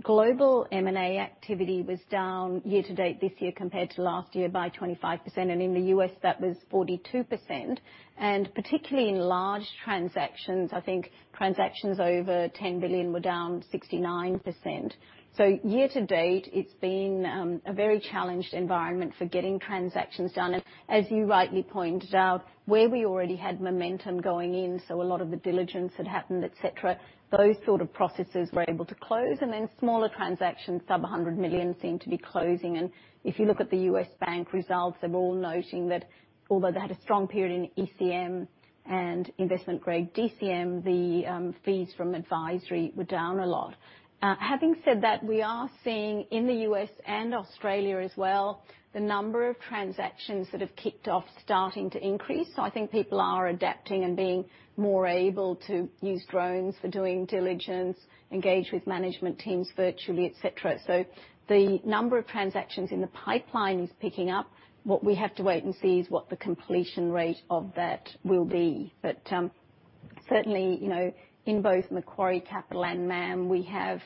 global M&A activity was down year to date this year compared to last year by 25%. In the U.S., that was 42%. Particularly in large transactions, I think transactions over 10 billion were down 69%. Year to date, it's been a very challenged environment for getting transactions done. As you rightly pointed out, where we already had momentum going in, a lot of the diligence had happened, et cetera, those sort of processes were able to close. Smaller transactions, sub 100 million seem to be closing. If you look at the U.S. bank results, they're all noting that although they had a strong period in ECM and investment grade DCM, the fees from advisory were down a lot. Having said that, we are seeing in the U.S. and Australia as well, the number of transactions that have kicked off starting to increase. I think people are adapting and being more able to use drones for doing diligence, engage with management teams virtually, et cetera. The number of transactions in the pipeline is picking up. What we have to wait and see is what the completion rate of that will be. Certainly, in both Macquarie Capital and MAM, we have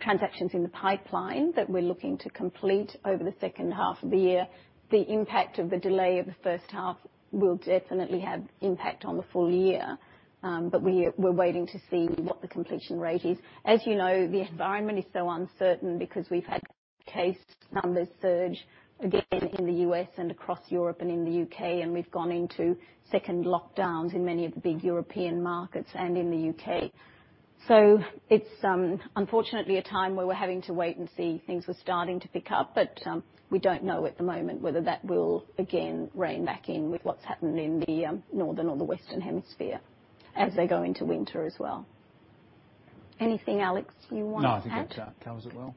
transactions in the pipeline that we're looking to complete over the second half of the year. The impact of the delay of the first half will definitely have impact on the full year. We're waiting to see what the completion rate is. As you know, the environment is so uncertain because we've had case numbers surge again in the U.S. and across Europe and in the U.K., and we've gone into second lockdowns in many of the big European markets and in the U.K. It's unfortunately a time where we're having to wait and see. Things were starting to pick up, but we don't know at the moment whether that will again reign back in with what's happened in the northern or the western hemisphere as they go into winter as well. Anything, Alex, you want to add? No, I think that tells it well.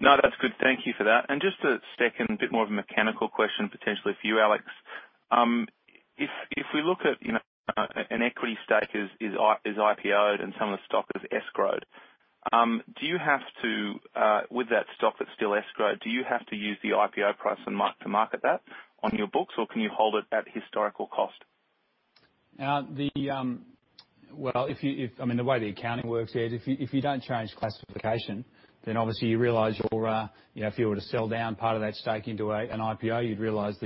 No, that's good. Thank you for that. Just to stack in a bit more of a mechanical question, potentially for you, Alex. If we look at an equity stake is IPO'd and some of the stock is escrowed. With that stock that's still escrowed, do you have to use the IPO price and mark to market that on your books, or can you hold it at historical cost? Well, the way the accounting works is if you don't change classification, obviously you realize if you were to sell down part of that stake into an IPO, you'd realize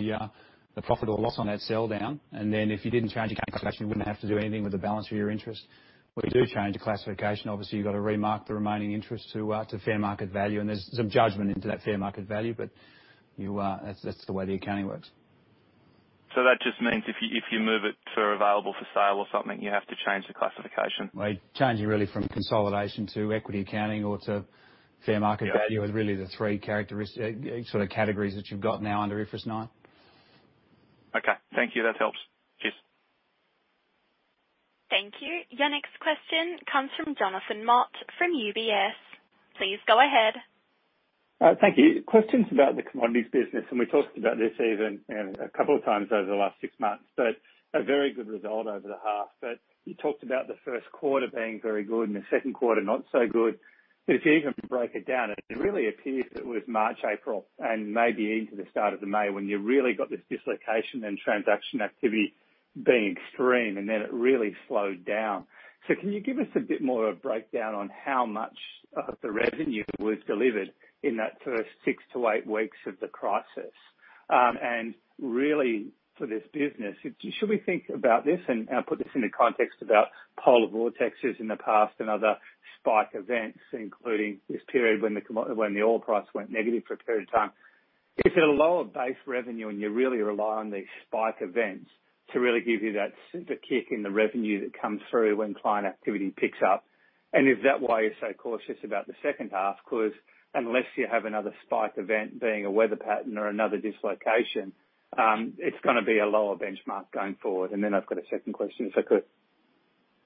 the profit or loss on that sell down. If you didn't change your classification, you wouldn't have to do anything with the balance of your interest. If you do change the classification, obviously, you've got to remark the remaining interest to fair market value, there's some judgment into that fair market value. That's the way the accounting works. That just means if you move it to available for sale or something, you have to change the classification. Changing really from consolidation to equity accounting or to fair market value is really the three characteristics, sort of categories that you've got now under IFRS 9. Okay. Thank you. That helps. Cheers. Thank you. Your next question comes from Jonathan Mott from UBS. Please go ahead. Thank you. Questions about the commodities business. We talked about this even a couple of times over the last six months, but a very good result over the half. You talked about the first quarter being very good and the second quarter not so good. If you even break it down, it really appears it was March, April, and maybe into the start of the May when you really got this dislocation and transaction activity being extreme, and then it really slowed down. Can you give us a bit more of a breakdown on how much of the revenue was delivered in that first 6-8 weeks of the crisis? Really for this business, should we think about this and put this into context about polar vortexes in the past and other spike events, including this period when the oil price went negative for a period of time? If you have a lower base revenue and you really rely on these spike events to really give you that super kick in the revenue that comes through when client activity picks up. Is that why you're so cautious about the second half? Because unless you have another spike event being a weather pattern or another dislocation, it's gonna be a lower benchmark going forward. Then I've got a second question, if I could.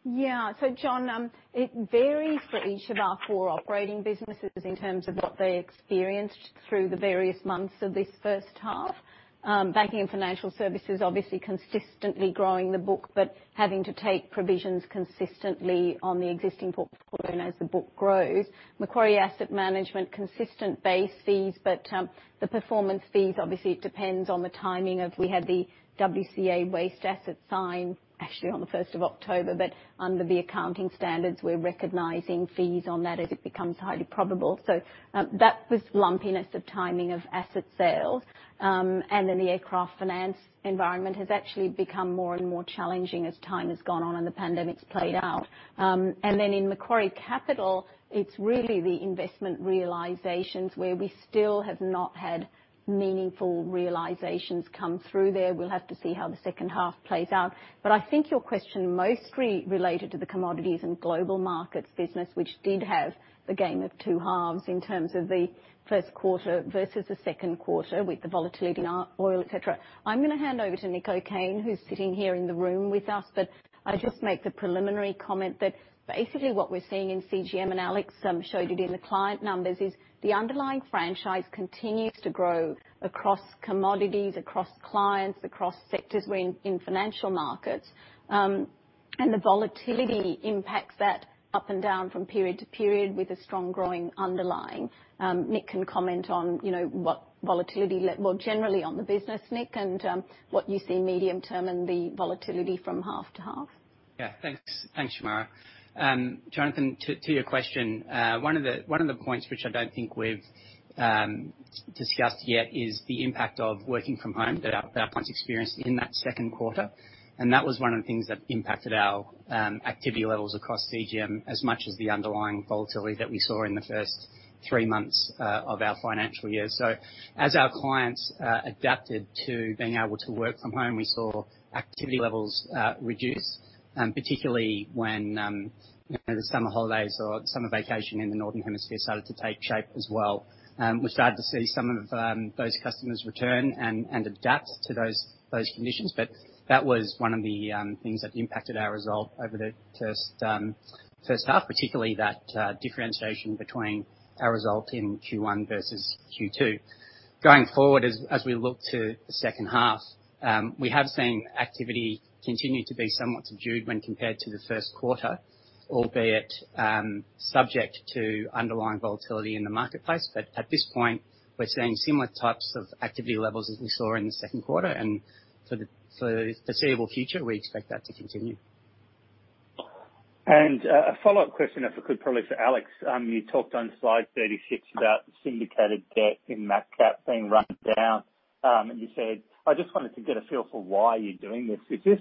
Yeah. Jon, it varies for each of our four operating businesses in terms of what they experienced through the various months of this first half. Banking and financial services, obviously consistently growing the book, but having to take provisions consistently on the existing portfolio as the book grows. Macquarie Asset Management, consistent base fees, but the performance fees, obviously, it depends on the timing of, we had the WCA Waste Corporation signed actually on the 1st of October. Under the accounting standards, we're recognizing fees on that as it becomes highly probable. That was lumpiness of timing of asset sales. The aircraft finance environment has actually become more and more challenging as time has gone on and the pandemic's played out. In Macquarie Capital, it's really the investment realizations where we still have not had meaningful realizations come through there. We'll have to see how the second half plays out. I think your question mostly related to the Commodities and Global Markets business, which did have the game of two halves in terms of the first quarter versus the second quarter with the volatility in oil, et cetera. I'm gonna hand over to Nick O'Kane, who's sitting here in the room with us. I'd just make the preliminary comment that basically what we're seeing in CGM, and Alex showed you in the client numbers, is the underlying franchise continues to grow across commodities, across clients, across sectors in Financial Markets. The volatility impacts that up and down from period to period with a strong growing underlying. Nick can comment on what volatility, well, generally on the business, Nick, and what you see medium term and the volatility from half to half. Yeah, thanks. Thanks, Shemara. Jonathan, to your question, one of the points which I don't think we've discussed yet is the impact of working from home that our clients experienced in that second quarter. That was one of the things that impacted our activity levels across CGM as much as the underlying volatility that we saw in the first three months of our financial year. As our clients adapted to being able to work from home, we saw activity levels reduce, particularly when the summer holidays or summer vacation in the northern hemisphere started to take shape as well. We started to see some of those customers return and adapt to those conditions. That was one of the things that impacted our result over the first half, particularly that differentiation between our result in Q1 versus Q2. Going forward, as we look to the second half, we have seen activity continue to be somewhat subdued when compared to the first quarter, albeit subject to underlying volatility in the marketplace. At this point, we're seeing similar types of activity levels as we saw in the second quarter. For the foreseeable future, we expect that to continue. A follow-up question, if I could, probably for Alex. You talked on slide 36 about the syndicated debt in MacCap being run down. You said, I just wanted to get a feel for why you're doing this. Is this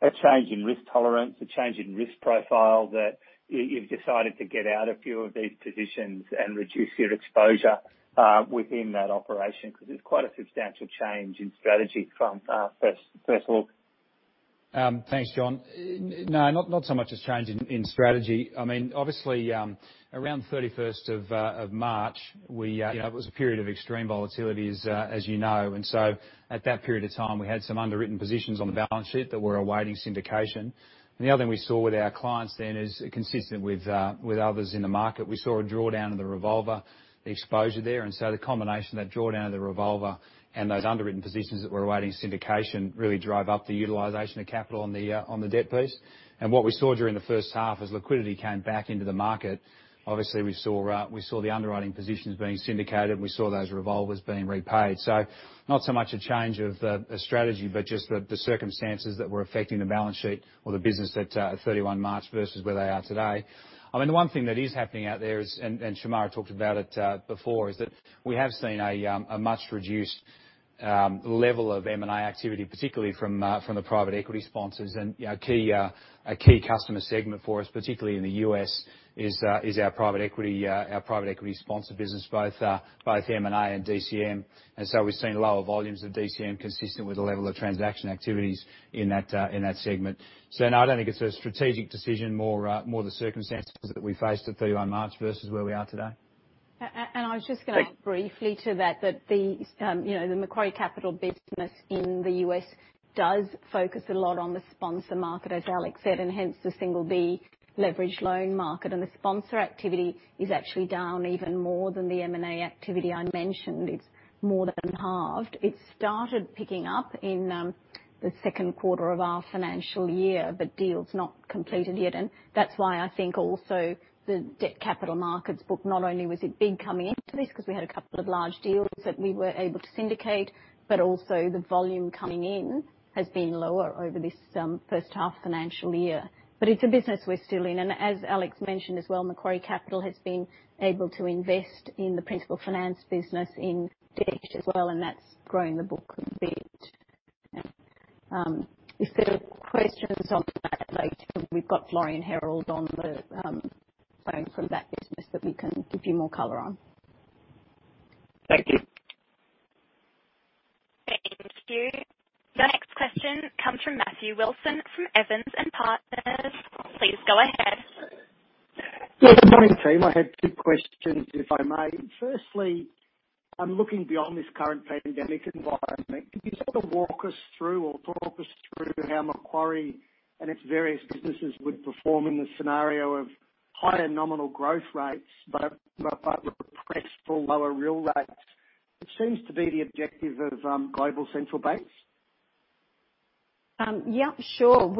a change in risk tolerance, a change in risk profile that you've decided to get out a few of these positions and reduce your exposure within that operation? It's quite a substantial change in strategy from first look. Thanks, Jon. No, not so much a change in strategy. Obviously, around 31st of March, it was a period of extreme volatilities, as you know. At that period of time, we had some underwritten positions on the balance sheet that were awaiting syndication. The other thing we saw with our clients then is, consistent with others in the market, we saw a drawdown of the revolver, the exposure there. The combination of that drawdown of the revolver and those underwritten positions that were awaiting syndication really drove up the utilization of capital on the debt piece. What we saw during the first half as liquidity came back into the market, obviously, we saw the underwriting positions being syndicated, and we saw those revolvers being repaid. Not so much a change of a strategy, but just the circumstances that were affecting the balance sheet or the business at 31 March versus where they are today. The one thing that is happening out there is, and Shemara talked about it before, is that we have seen a much reduced level of M&A activity, particularly from the private equity sponsors. A key customer segment for us, particularly in the U.S., is our private equity sponsor business, both M&A and DCM. We've seen lower volumes of DCM consistent with the level of transaction activities in that segment. No, I don't think it's a strategic decision, more the circumstances that we faced at 31 March versus where we are today. I was just gonna add briefly to that the Macquarie Capital business in the U.S. does focus a lot on the sponsor market, as Alex said, and hence the single B leverage loan market. The sponsor activity is actually down even more than the M&A activity I mentioned. It's more than halved. It started picking up in the second quarter of our financial year, but deals not completed yet. That's why I think also the debt capital markets book, not only was it big coming into this, because we had a couple of large deals that we were able to syndicate, but also the volume coming in has been lower over this first half financial year. It's a business we're still in. As Alex mentioned as well, Macquarie Capital has been able to invest in the principal finance business in debt as well, and that's growing the book. If there are questions on that later, we've got Florian Herold on the phone from that business that we can give you more color on. Thank you. Thank you. The next question comes from Matthew Wilson from Evans & Partners. Please go ahead. Good morning, team. I have two questions, if I may. Firstly, I'm looking beyond this current pandemic environment. Could you sort of walk us through or talk us through how Macquarie and its various businesses would perform in the scenario of higher nominal growth rates, but repressed or lower real rates, which seems to be the objective of global central banks? Yeah, sure.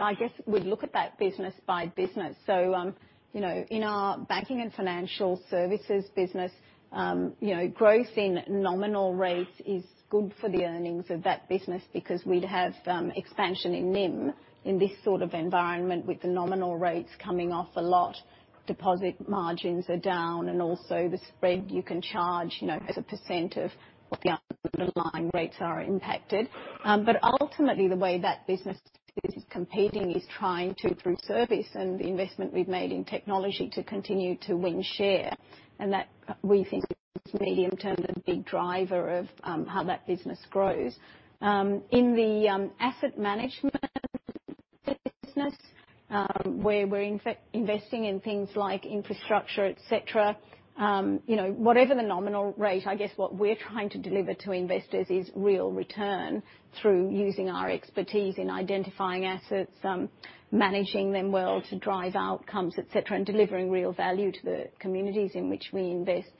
I guess we'd look at that business by business. In our Banking and Financial Services business, growth in nominal rates is good for the earnings of that business because we'd have expansion in NIM in this sort of environment with the nominal rates coming off a lot, deposit margins are down, and also the spread you can charge as a percent of what the underlying rates are impacted. Ultimately, the way that business is competing is trying to, through service and the investment we've made in technology, to continue to win share. That we think is medium-term the big driver of how that business grows. In the asset management business, where we're investing in things like infrastructure, et cetera. Whatever the nominal rate, I guess what we're trying to deliver to investors is real return through using our expertise in identifying assets, managing them well to drive outcomes, et cetera, and delivering real value to the communities in which we invest.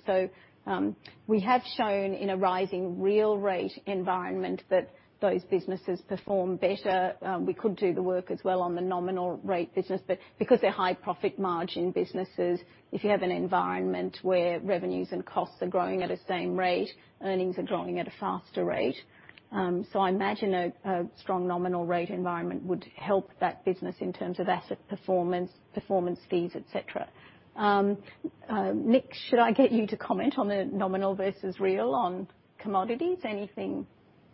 We have shown in a rising real rate environment that those businesses perform better. We could do the work as well on the nominal rate business. Because they're high profit margin businesses, if you have an environment where revenues and costs are growing at the same rate, earnings are growing at a faster rate. I imagine a strong nominal rate environment would help that business in terms of asset performance fees, et cetera. Nick, should I get you to comment on the nominal versus real on commodities? Anything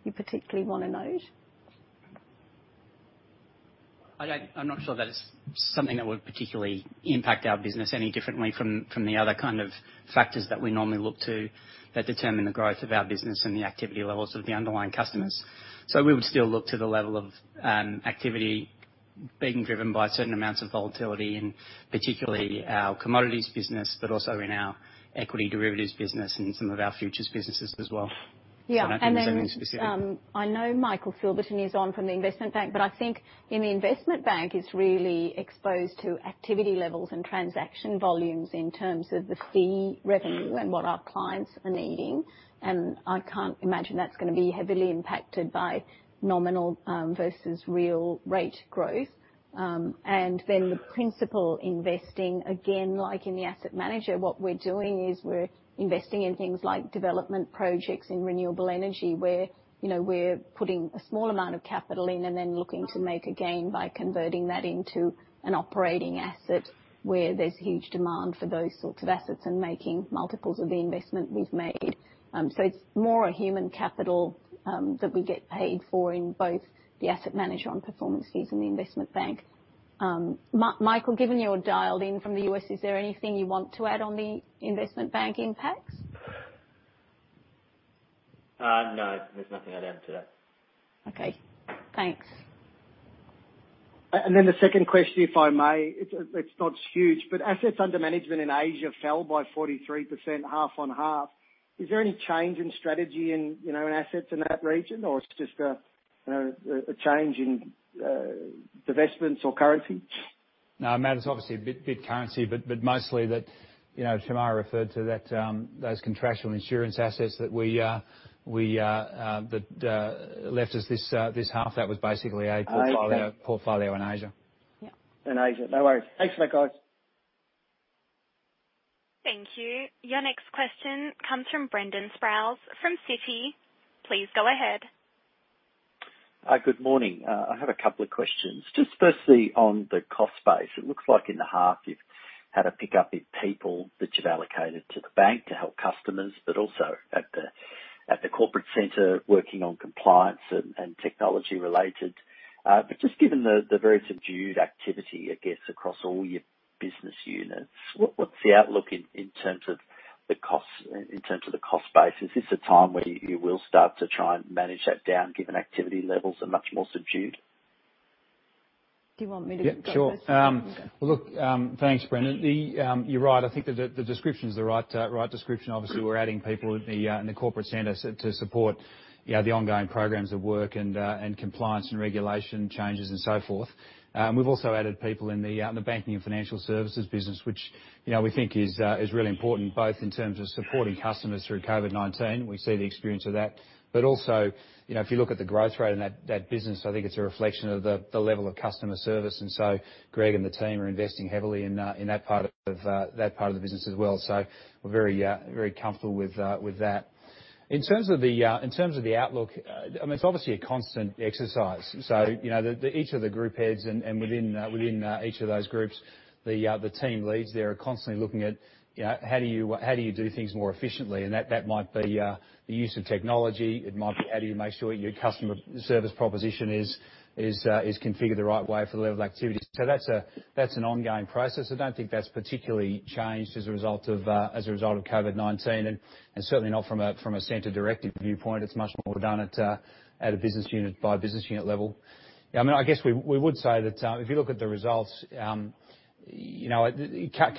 you particularly want to note? I'm not sure that it's something that would particularly impact our business any differently from the other kind of factors that we normally look to that determine the growth of our business and the activity levels of the underlying customers. We would still look to the level of activity being driven by certain amounts of volatility, and particularly our commodities business, but also in our equity derivatives business and some of our futures businesses as well. Yeah. Nothing specific. I know Michael Silverton is on from the investment bank, I think in the investment bank, it's really exposed to activity levels and transaction volumes in terms of the fee revenue and what our clients are needing. I can't imagine that's going to be heavily impacted by nominal versus real rate growth. The principal investing, again, like in the asset manager, what we're doing is we're investing in things like development projects in renewable energy, where we're putting a small amount of capital in and then looking to make a gain by converting that into an operating asset where there's huge demand for those sorts of assets and making multiples of the investment we've made. It's more a human capital that we get paid for in both the asset manager on performance fees and the investment bank. Michael, given you're dialed in from the U.S., is there anything you want to add on the investment bank impacts? No, there's nothing I'd add to that. Okay. Thanks. The second question, if I may. It's not huge, but assets under management in Asia fell by 43% half on half. Is there any change in strategy in assets in that region? Or it's just a change in divestments or currency? No, Matt, it's obviously a bit currency, but mostly that, Shemara referred to those contractual insurance assets that left us this half. I see. portfolio in Asia. Yeah. In Asia. No worries. Thanks for that, guys. Thank you. Your next question comes from Brendan Sproules from Citi. Please go ahead. Good morning. I have a couple of questions. Firstly, on the cost base, it looks like in the half you've had a pickup in people that you've allocated to the bank to help customers, but also at the corporate center working on compliance and technology related. Just given the very subdued activity, I guess, across all your business units, what's the outlook in terms of the cost base? Is this a time where you will start to try and manage that down, given activity levels are much more subdued? Do you want me to go first? Yeah, sure. Look, thanks, Brendan. You're right. I think the description is the right description. Obviously, we're adding people in the corporate center to support the ongoing programs of work and compliance and regulation changes and so forth. We've also added people in the Banking and Financial Services business, which we think is really important, both in terms of supporting customers through COVID-19. We see the experience of that. Also, if you look at the growth rate in that business, I think it's a reflection of the level of customer service. Greg and the team are investing heavily in that part of the business as well. We're very comfortable with that. In terms of the outlook, it's obviously a constant exercise. Each of the group heads, and within each of those groups, the team leads there are constantly looking at how do you do things more efficiently, and that might be the use of technology, it might be how do you make sure your customer service proposition is configured the right way for the level of activity. That's an ongoing process. I don't think that's particularly changed as a result of COVID-19, and certainly not from a center directive viewpoint. It's much more done at a business unit by business unit level. We would say that if you look at the results,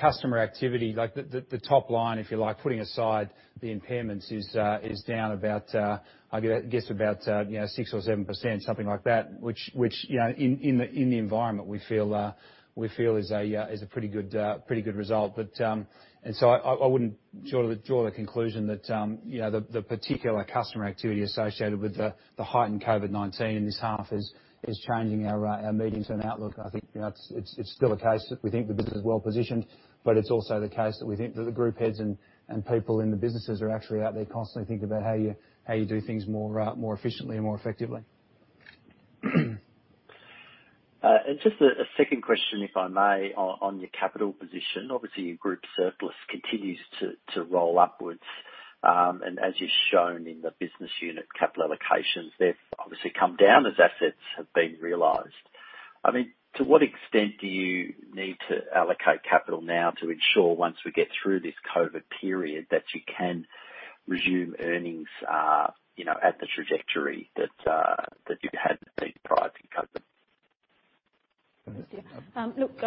customer activity, the top line, if you like, putting aside the impairments, is down about, I guess, about 6% or 7%, something like that, which in the environment we feel is a pretty good result. I wouldn't draw the conclusion that the particular customer activity associated with the heightened COVID-19 in this half is changing our medium-term outlook. I think it's still a case that we think the business is well-positioned, but it's also the case that we think that the group heads and people in the businesses are actually out there constantly thinking about how you do things more efficiently and more effectively. Just a second question, if I may, on your capital position. Obviously, your group surplus continues to roll upwards. As you've shown in the business unit capital allocations, they've obviously come down as assets have been realized. To what extent do you need to allocate capital now to ensure once we get through this COVID period, that you can resume earnings at the trajectory that you had been prior to COVID? Thank you. Look,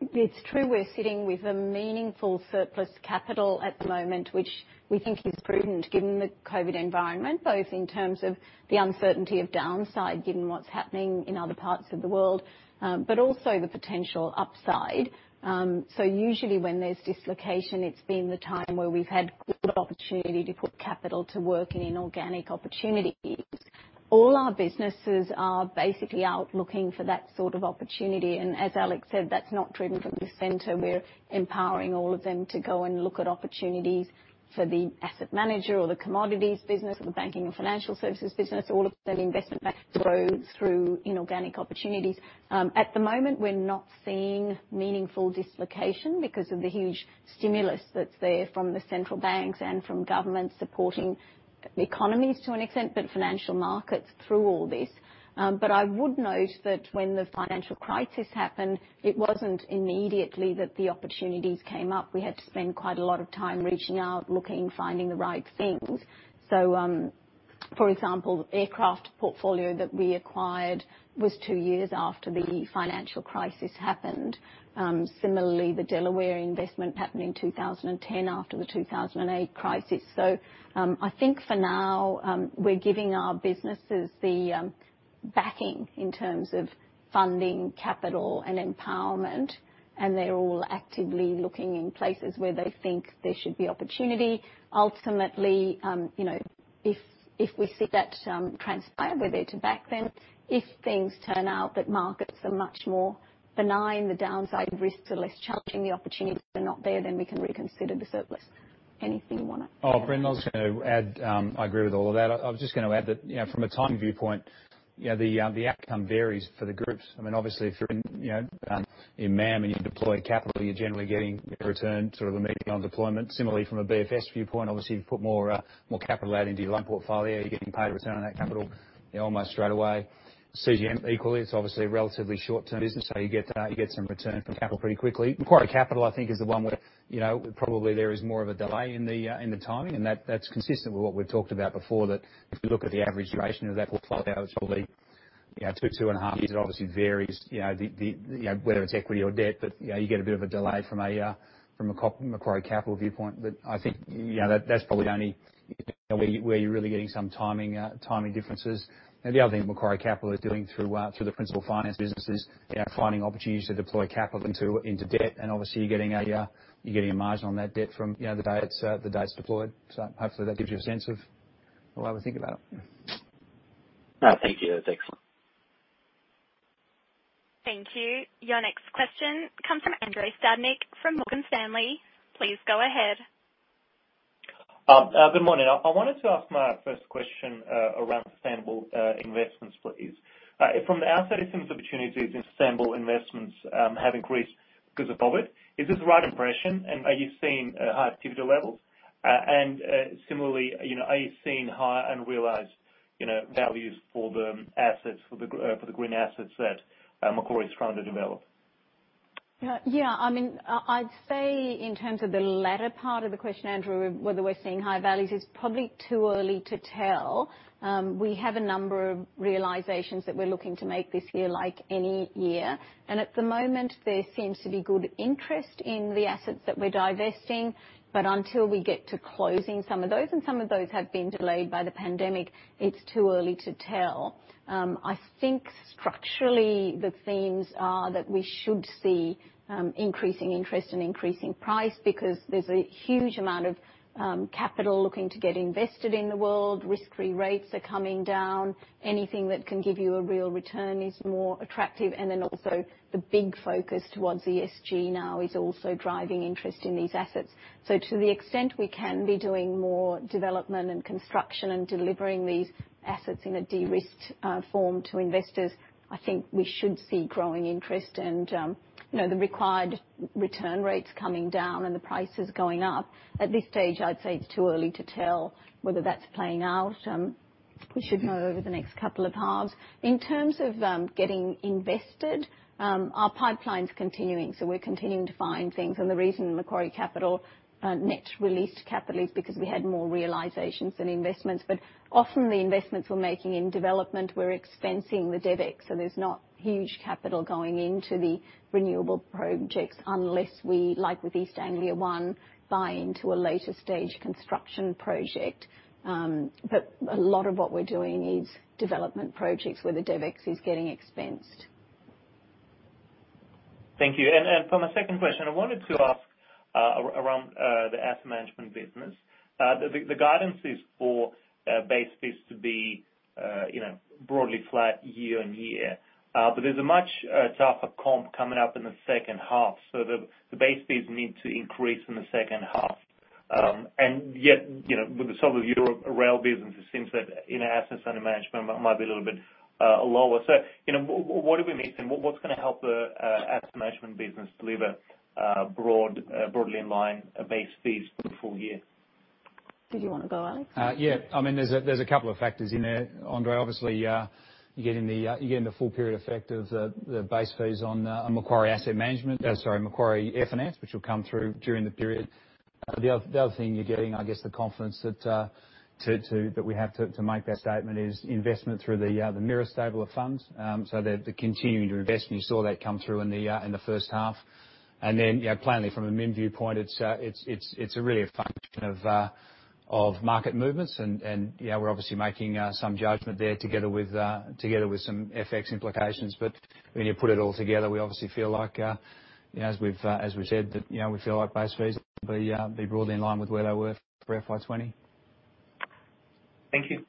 it's true we're sitting with a meaningful surplus capital at the moment, which we think is prudent given the COVID environment, both in terms of the uncertainty of downside, given what's happening in other parts of the world, but also the potential upside. Usually when there's dislocation, it's been the time where we've had good opportunity to put capital to work in inorganic opportunities. All our businesses are basically out looking for that sort of opportunity, and as Alex said, that's not driven from the center. We're empowering all of them to go and look at opportunities for the asset manager or the commodities business or the Banking and Financial Services business, all of the investment bank growth through inorganic opportunities. At the moment, we're not seeing meaningful dislocation because of the huge stimulus that's there from the central banks and from governments supporting the economies to an extent, but Financial Markets through all this. I would note that when the financial crisis happened, it wasn't immediately that the opportunities came up. We had to spend quite a lot of time reaching out, looking, finding the right things. For example, the aircraft portfolio that we acquired was two years after the financial crisis happened. Similarly, the Delaware Investments happened in 2010 after the 2008 crisis. I think for now, we're giving our businesses the backing in terms of funding, capital, and empowerment, and they're all actively looking in places where they think there should be opportunity. Ultimately, if we see that transpire, we're there to back them. If things turn out that markets are much more benign, the downside risks are less challenging, the opportunities are not there, we can reconsider the surplus. Anything you want to add, Alex? Brendan, I was going to add, I agree with all of that. I was just going to add that from a timing viewpoint, the outcome varies for the groups. Obviously, if you're in MAM and you deploy capital, you're generally getting a return sort of immediately on deployment. Similarly, from a BFS viewpoint, obviously, you put more capital out into your loan portfolio, you're getting paid a return on that capital almost straight away. CGM equally, it's obviously a relatively short-term business, so you get some return from capital pretty quickly. Macquarie Capital, I think is the one where probably there is more of a delay in the timing, and that's consistent with what we've talked about before, that if you look at the average duration of that portfolio, it's probably two and a half years. It obviously varies, whether it's equity or debt, but you get a bit of a delay from a Macquarie Capital viewpoint. I think that's probably only where you're really getting some timing differences. The other thing that Macquarie Capital is doing through the principal finance business is finding opportunities to deploy capital into debt, and obviously, you're getting a margin on that debt from the day it's deployed. Hopefully that gives you a sense of the way we think about it. Thank you. That's excellent. Thank you. Your next question comes from Andrei Stadnik from Morgan Stanley. Please go ahead. Good morning. I wanted to ask my first question around sustainable investments, please. From the outset, it seems opportunities in sustainable investments have increased because of COVID-19. Is this the right impression, are you seeing high activity levels? Similarly, are you seeing higher unrealized values for the assets, for the green assets that Macquarie is trying to develop? I'd say in terms of the latter part of the question, Andrew, whether we're seeing high values, it's probably too early to tell. We have a number of realizations that we're looking to make this year, like any year. At the moment, there seems to be good interest in the assets that we're divesting. Until we get to closing some of those, and some of those have been delayed by the pandemic, it's too early to tell. I think structurally the themes are that we should see increasing interest and increasing price because there's a huge amount of capital looking to get invested in the world. Risk-free rates are coming down. Anything that can give you a real return is more attractive. Then also the big focus towards ESG now is also driving interest in these assets. To the extent we can be doing more development and construction and delivering these assets in a de-risked form to investors, I think we should see growing interest and the required return rates coming down and the prices going up. At this stage, I'd say it's too early to tell whether that's playing out. We should know over the next couple of halves. In terms of getting invested, our pipeline's continuing, so we're continuing to find things. The reason Macquarie Capital net released capital is because we had more realizations than investments. Often the investments we're making in development, we're expensing the capex, so there's not huge capital going into the renewable projects unless we, like with East Anglia ONE, buy into a later stage construction project. A lot of what we're doing is development projects where the capex is getting expensed. Thank you. For my second question, I wanted to ask around the Asset Management business. The guidance is for base fees to be broadly flat year-on-year. There's a much tougher comp coming up in the second half, so the base fees need to increase in the second half. With the sale of Macquarie European Rail business, it seems that in-house Asset Management might be a little bit lower. What are we missing? What's going to help the Asset Management business deliver broadly in line base fees for the full year? Did you want to go, Alex? There's a couple of factors in there, Andrei. Obviously, you're getting the full period effect of the base fees on Macquarie Asset Management, or sorry, Macquarie AirFinance, which will come through during the period. The other thing you're getting, I guess, the confidence that we have to make that statement is investment through the MIRA stable of funds. They're continuing to invest, and you saw that come through in the first half. Then plainly from a MIM viewpoint, it's really a function of market movements. We're obviously making some judgment there together with some FX implications. When you put it all together, we obviously feel like, as we said, that we feel like base fees will be broadly in line with where they were for FY 2020. Thank you.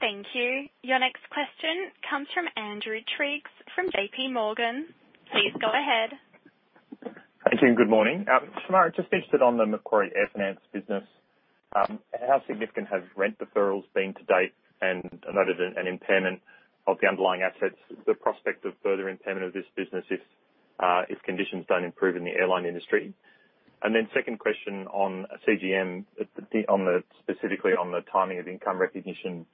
Thank you. Your next question comes from Andrew Triggs from JPMorgan. Please go ahead. Thank you, and good morning. Shemara, just interested on the Macquarie AirFinance business. How significant have rent deferrals been to date? I noted an impairment of the underlying assets, the prospect of further impairment of this business if conditions don't improve in the airline industry. Then second question on CGM, specifically on the timing of income recognition.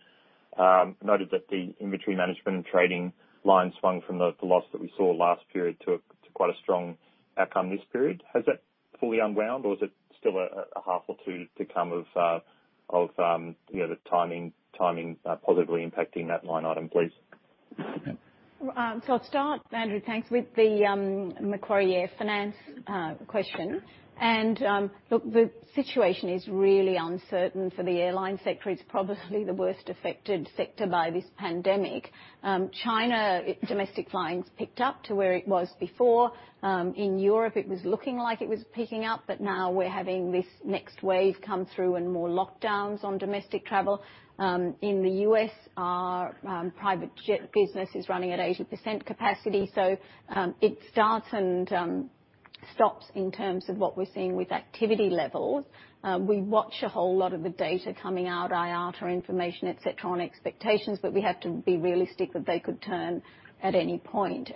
Noted that the inventory management and trading line swung from the loss that we saw last period to quite a strong outcome this period. Has that fully unwound or is it still a half or two to come of the timing positively impacting that line item, please? I'll start, Andrew, thanks, with the Macquarie AirFinance question. Look, the situation is really uncertain for the airline sector. It's probably the worst affected sector by this pandemic. China domestic flying's picked up to where it was before. In Europe, it was looking like it was picking up, but now we're having this next wave come through and more lockdowns on domestic travel. In the U.S., our private jet business is running at 80% capacity. It starts and stops in terms of what we're seeing with activity levels. We watch a whole lot of the data coming out, IATA information, et cetera, on expectations, but we have to be realistic that they could turn at any point.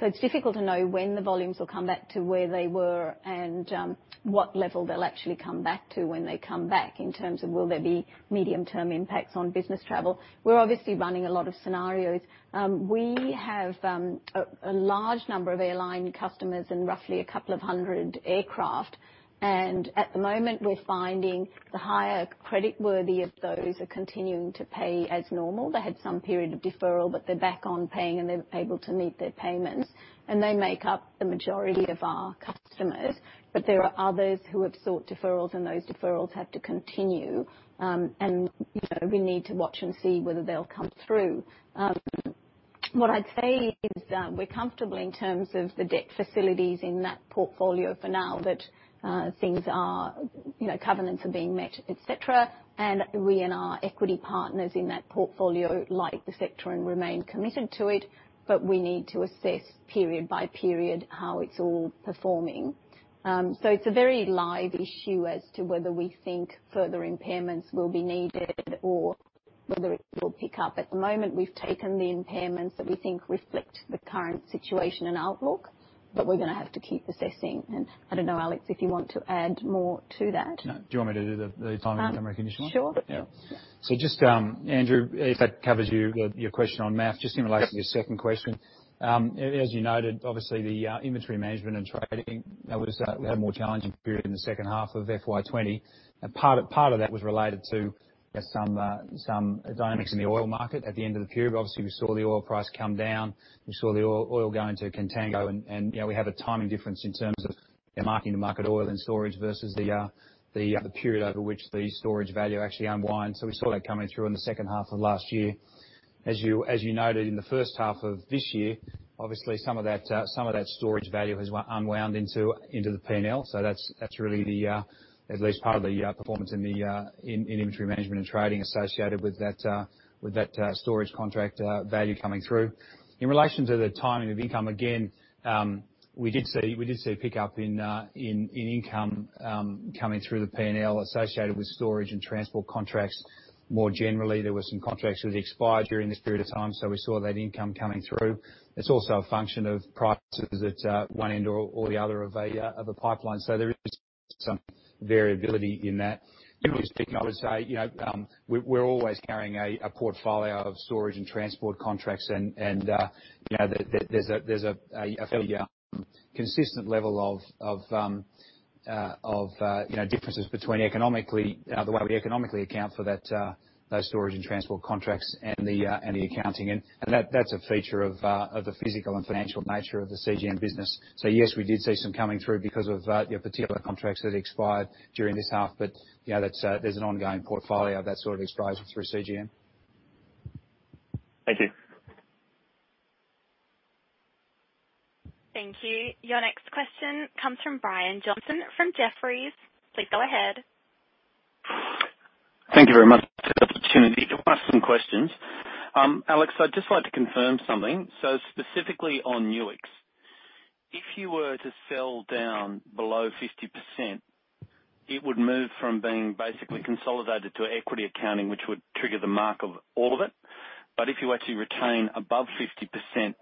It's difficult to know when the volumes will come back to where they were and what level they'll actually come back to when they come back in terms of will there be medium-term impacts on business travel. We're obviously running a lot of scenarios. We have a large number of airline customers and roughly 200 aircraft. At the moment, we're finding the higher creditworthy of those are continuing to pay as normal. They had some period of deferral, but they're back on paying and they're able to meet their payments. They make up the majority of our customers. There are others who have sought deferrals, and those deferrals have to continue. We need to watch and see whether they'll come through. What I'd say is that we're comfortable in terms of the debt facilities in that portfolio for now that covenants are being met, et cetera. We and our equity partners in that portfolio like the sector and remain committed to it, but we need to assess period by period how it's all performing. It's a very live issue as to whether we think further impairments will be needed or whether it will pick up. At the moment, we've taken the impairments that we think reflect the current situation and outlook. We're going to have to keep assessing. I don't know, Alex, if you want to add more to that. No. Do you want me to do the timing and recognition one? Sure. Just, Andrew, if that covers your question on MAF, just in relation to your second question. As you noted, obviously the inventory management and trading, we had a more challenging period in the second half of FY 2020. Part of that was related to some dynamics in the oil market at the end of the period. Obviously, we saw the oil price come down. We saw the oil go into contango, and we have a timing difference in terms of marking to market oil in storage versus the period over which the storage value actually unwinds. We saw that coming through in the second half of last year. As you noted, in the first half of this year, obviously some of that storage value has unwound into the P&L. That's really at least part of the performance in inventory management and trading associated with that storage contract value coming through. In relation to the timing of income, again, we did see a pickup in income coming through the P&L associated with storage and transport contracts. More generally, there were some contracts that expired during this period of time, so we saw that income coming through. It's also a function of prices at one end or the other of a pipeline. There is some variability in that. Generally speaking, I would say, we're always carrying a portfolio of storage and transport contracts and there's a fairly consistent level of differences between the way we economically account for those storage and transport contracts and the accounting. That's a feature of the physical and financial nature of the CGM business. Yes, we did see some coming through because of your particular contracts that expired during this half. There's an ongoing portfolio of that sort of exposure through CGM. Thank you. Thank you. Your next question comes from Brian Johnson from Jefferies. Please go ahead. Thank you very much for the opportunity to ask some questions. Alex, I'd just like to confirm something. Specifically on Nuix. If you were to sell down below 50%, it would move from being basically consolidated to equity accounting, which would trigger the mark of all of it. If you actually retain above 50%,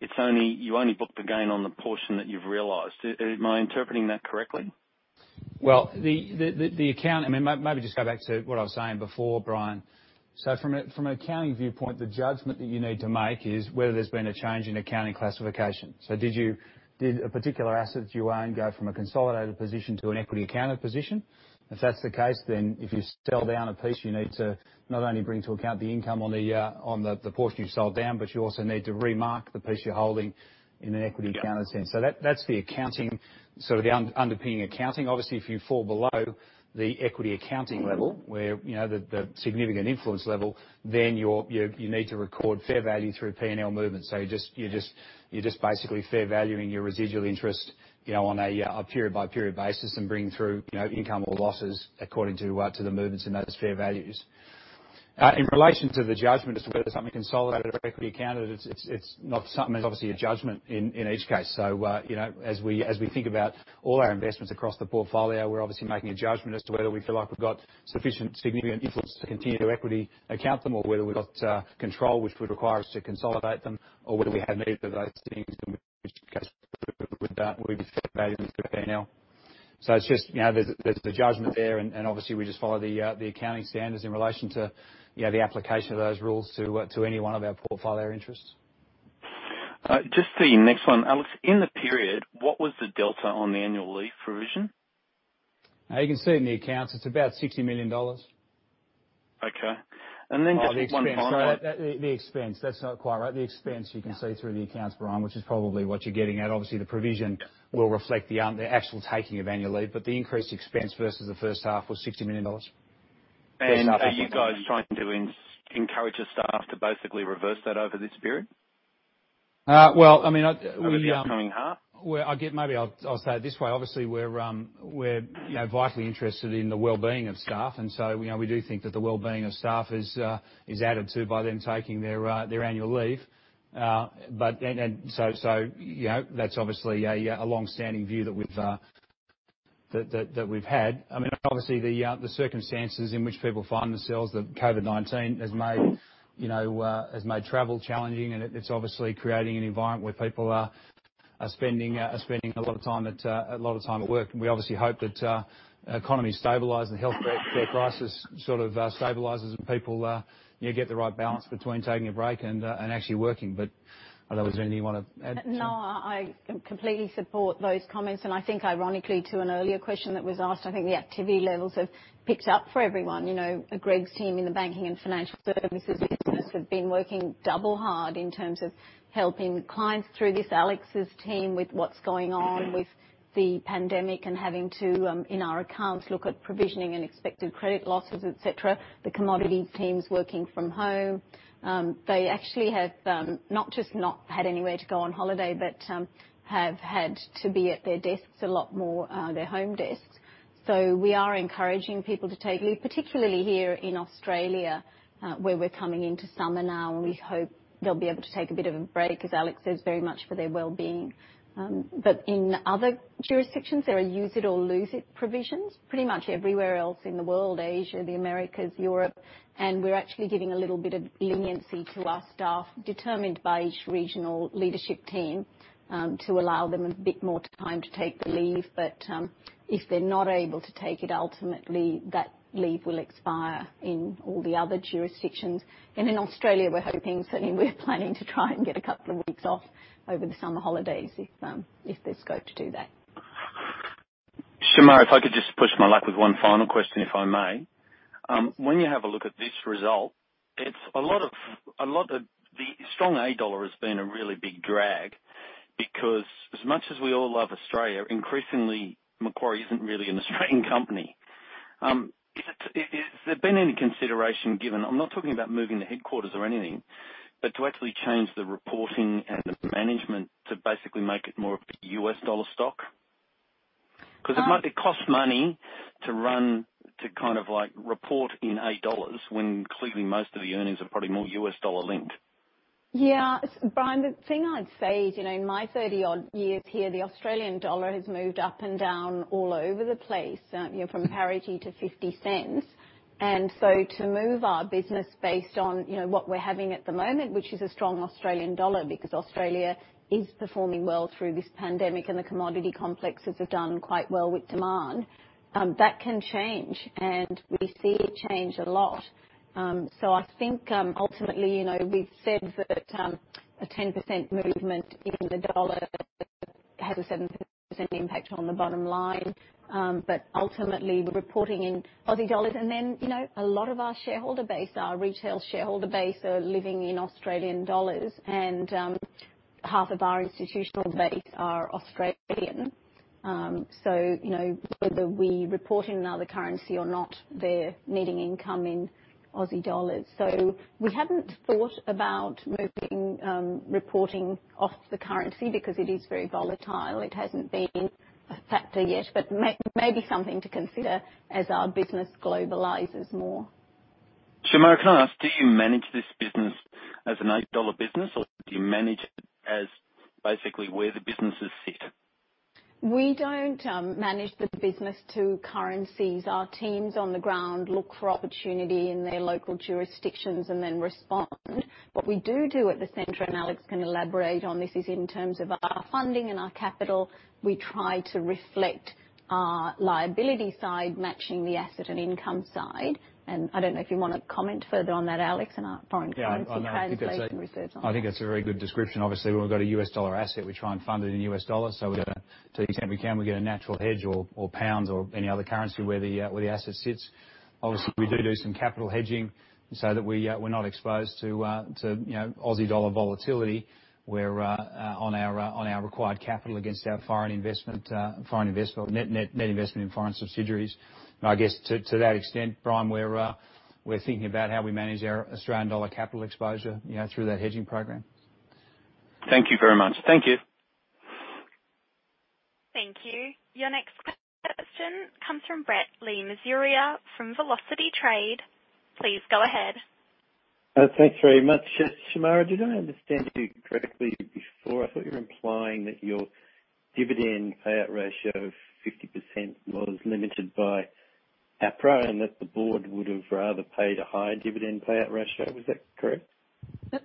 you only book the gain on the portion that you've realized. Am I interpreting that correctly? Maybe just go back to what I was saying before, Brian. From an accounting viewpoint, the judgment that you need to make is whether there's been a change in accounting classification. Did a particular asset that you own go from a consolidated position to an equity accounted position? If that's the case, then if you sell down a piece, you need to not only bring to account the income on the portion you sold down, but you also need to remark the piece you're holding in an equity accounted sense. That's the underpinning accounting. Obviously, if you fall below the equity accounting level where the significant influence level, then you need to record fair value through P&L movements. You're just basically fair valuing your residual interest on a period-by-period basis and bring through income or losses according to the movements in those fair values. In relation to the judgment as to whether something consolidated or equity accounted, it's not something that's obviously a judgment in each case. As we think about all our investments across the portfolio, we're obviously making a judgment as to whether we feel like we've got sufficient significant influence to continue to equity account them or whether we've got control, which would require us to consolidate them, or whether we have neither of those things and we fair value through P&L. There's a judgment there, and obviously, we just follow the accounting standards in relation to the application of those rules to any one of our portfolio interests. Just the next one. Alex, in the period, what was the delta on the annual leave provision? You can see it in the accounts. It's about 60 million dollars. Okay. The expense. That's not quite right. The expense you can see through the accounts, Brian, which is probably what you're getting at. Obviously, the provision will reflect the actual taking of annual leave, but the increased expense versus the first half was 60 million dollars. First half to second half. Are you guys trying to encourage the staff to basically reverse that over this period? Well, I mean. Over the upcoming half? Well, maybe I'll say it this way. Obviously, we're vitally interested in the well-being of staff, and so we do think that the well-being of staff is added to by them taking their annual leave. That's obviously a longstanding view that we've had. Obviously, the circumstances in which people find themselves, the COVID-19 has made travel challenging, and it's obviously creating an environment where people are spending a lot of time at work. We obviously hope that the economy stabilizes and the health crisis sort of stabilizes and people get the right balance between taking a break and actually working. I don't know, is there anything you want to add? No, I completely support those comments, and I think ironically, to an earlier question that was asked, I think the activity levels have picked up for everyone. Greg's team in the Banking and Financial Services business have been working double hard in terms of helping clients through this. Alex's team with what's going on with the pandemic and having to, in our accounts, look at provisioning and expected credit losses, et cetera. The commodity team's working from home. They actually have not just not had anywhere to go on holiday, but have had to be at their desks a lot more, their home desks. We are encouraging people to take leave, particularly here in Australia, where we're coming into summer now, and we hope they'll be able to take a bit of a break, as Alex says, very much for their well-being. In other jurisdictions, there are use it or lose it provisions pretty much everywhere else in the world, Asia, the Americas, Europe. We're actually giving a little bit of leniency to our staff, determined by each regional leadership team, to allow them a bit more time to take the leave. If they're not able to take it, ultimately that leave will expire in all the other jurisdictions. In Australia, we're hoping, certainly we're planning to try and get a couple of weeks off over the summer holidays if there's scope to do that. Shemara, if I could just push my luck with one final question, if I may. When you have a look at this result, the strong AUD has been a really big drag because as much as we all love Australia, increasingly, Macquarie isn't really an Australian company. Has there been any consideration given, I'm not talking about moving the headquarters or anything, but to actually change the reporting and the management to basically make it more of a U.S. dollar stock? Because it costs money to report in AUD when clearly most of the earnings are probably more U.S. dollar linked. Brian, the thing I'd say is, in my 30-odd years here, the Australian dollar has moved up and down all over the place, from parity to 0.50. To move our business based on what we're having at the moment, which is a strong Australian dollar, because Australia is performing well through this pandemic and the commodity complexes have done quite well with demand. That can change, we see it change a lot. I think, ultimately, we've said that a 10% movement in the dollar has a 7% impact on the bottom line. Ultimately, we're reporting in Aussie dollars. A lot of our shareholder base, our retail shareholder base, are living in Australian dollars, and half of our institutional base are Australian. Whether we report in another currency or not, they're needing income in Aussie dollars. We haven't thought about moving reporting off the currency because it is very volatile. It hasn't been a factor yet, but maybe something to consider as our business globalizes more. Shemara, can I ask, do you manage this business as an AUD business, or do you manage it as basically where the businesses sit? We don't manage the business to currencies. Our teams on the ground look for opportunity in their local jurisdictions and then respond. What we do at the center, and Alex can elaborate on this, is in terms of our funding and our capital, we try to reflect our liability side matching the asset and income side. I don't know if you want to comment further on that, Alex, and our foreign currency translation reserves. Yeah. I think that's a very good description. Obviously, when we've got a U.S. dollar asset, we try and fund it in U.S. dollars. To the extent we can, we get a natural hedge or pounds or any other currency where the asset sits. Obviously, we do some capital hedging so that we're not exposed to Australian dollar volatility on our required capital against our net investment in foreign subsidiaries. I guess to that extent, Brian, we're thinking about how we manage our Australian dollar capital exposure through that hedging program. Thank you very much. Thank you. Thank you. Your next question comes from Brett Le Mesurier from Velocity Trade. Please go ahead. Thanks very much. Shemara, did I understand you correctly before? I thought you were implying that your dividend payout ratio of 50% was limited by APRA and that the board would have rather paid a higher dividend payout ratio. Was that correct?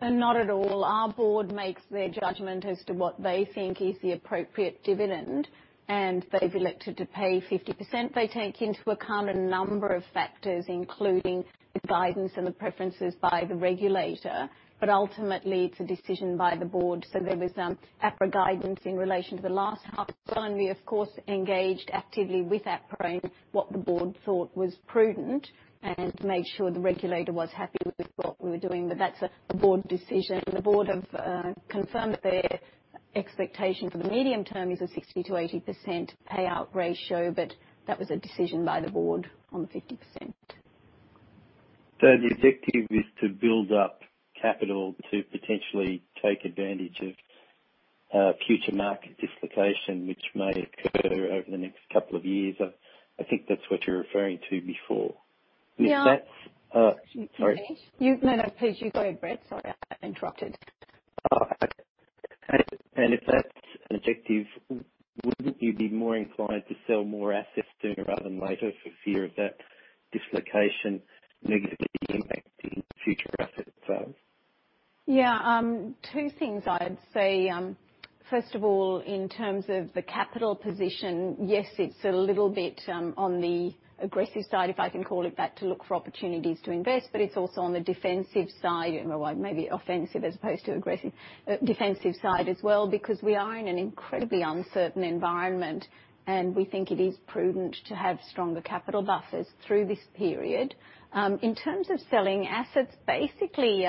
Not at all. Our board makes their judgment as to what they think is the appropriate dividend, and they've elected to pay 50%. They take into account a number of factors, including the guidance and the preferences by the regulator. Ultimately, it's a decision by the board. There was APRA guidance in relation to the last half and we, of course, engaged actively with APRA in what the board thought was prudent and made sure the regulator was happy with what we were doing. That's a board decision. The board have confirmed that their expectation for the medium-term is a 60%-80% payout ratio, but that was a decision by the board on the 50%. The objective is to build up capital to potentially take advantage of future market dislocation, which may occur over the next couple of years. I think that's what you were referring to before. Yeah. Sorry. No, please. You go ahead, Brett. Sorry, I interrupted. Oh, okay. If that's an objective, wouldn't you be more inclined to sell more assets sooner rather than later for fear of that dislocation negatively impacting future asset sales? Yeah. Two things I'd say. First of all, in terms of the capital position, yes, it's a little bit on the aggressive side, if I can call it that, to look for opportunities to invest. It's also on the defensive side. Maybe offensive as opposed to aggressive. Defensive side as well, because we are in an incredibly uncertain environment, and we think it is prudent to have stronger capital buffers through this period. In terms of selling assets, basically,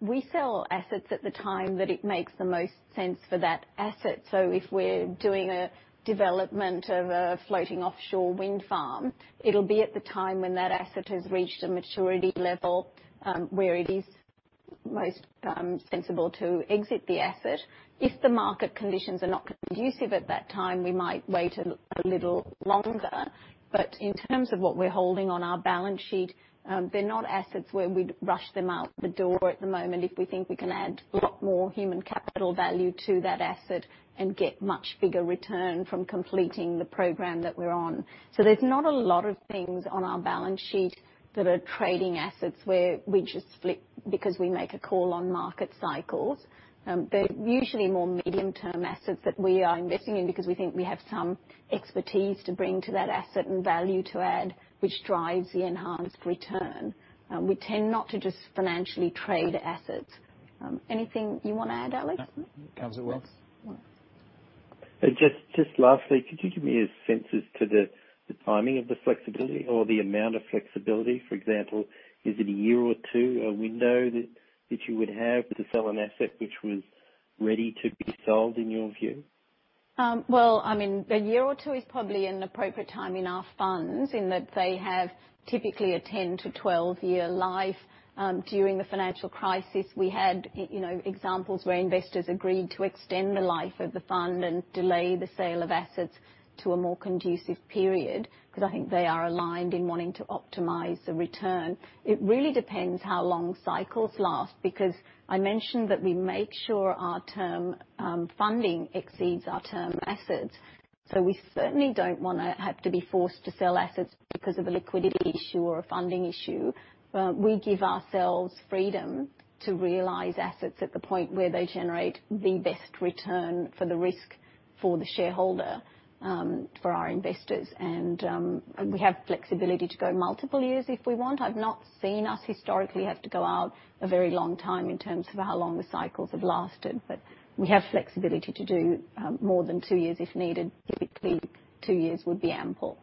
we sell assets at the time that it makes the most sense for that asset. If we're doing a development of a floating offshore wind farm, it'll be at the time when that asset has reached a maturity level, where it is most sensible to exit the asset. If the market conditions are not conducive at that time, we might wait a little longer. In terms of what we're holding on our balance sheet, they're not assets where we'd rush them out the door at the moment if we think we can add a lot more human capital value to that asset and get much bigger return from completing the program that we're on. There's not a lot of things on our balance sheet that are trading assets where we just flip because we make a call on market cycles. They're usually more medium-term assets that we are investing in because we think we have some expertise to bring to that asset and value to add, which drives the enhanced return. We tend not to just financially trade assets. Anything you want to add, Alex? No. Covers it well. Just lastly, could you give me a sense as to the timing of the flexibility or the amount of flexibility? For example, is it a year or two, a window that you would have to sell an asset which was ready to be sold in your view? Well, a year or two is probably an appropriate time in our funds in that they have typically a 10-12-year life. During the financial crisis, we had examples where investors agreed to extend the life of the fund and delay the sale of assets to a more conducive period, because I think they are aligned in wanting to optimize the return. It really depends how long cycles last, because I mentioned that we make sure our term funding exceeds our term assets. We certainly don't want to have to be forced to sell assets because of a liquidity issue or a funding issue, but we give ourselves freedom to realize assets at the point where they generate the best return for the risk for the shareholder, for our investors. We have flexibility to go multiple years if we want. I've not seen us historically have to go out a very long time in terms of how long the cycles have lasted. We have flexibility to do more than two years if needed. Typically, two years would be ample.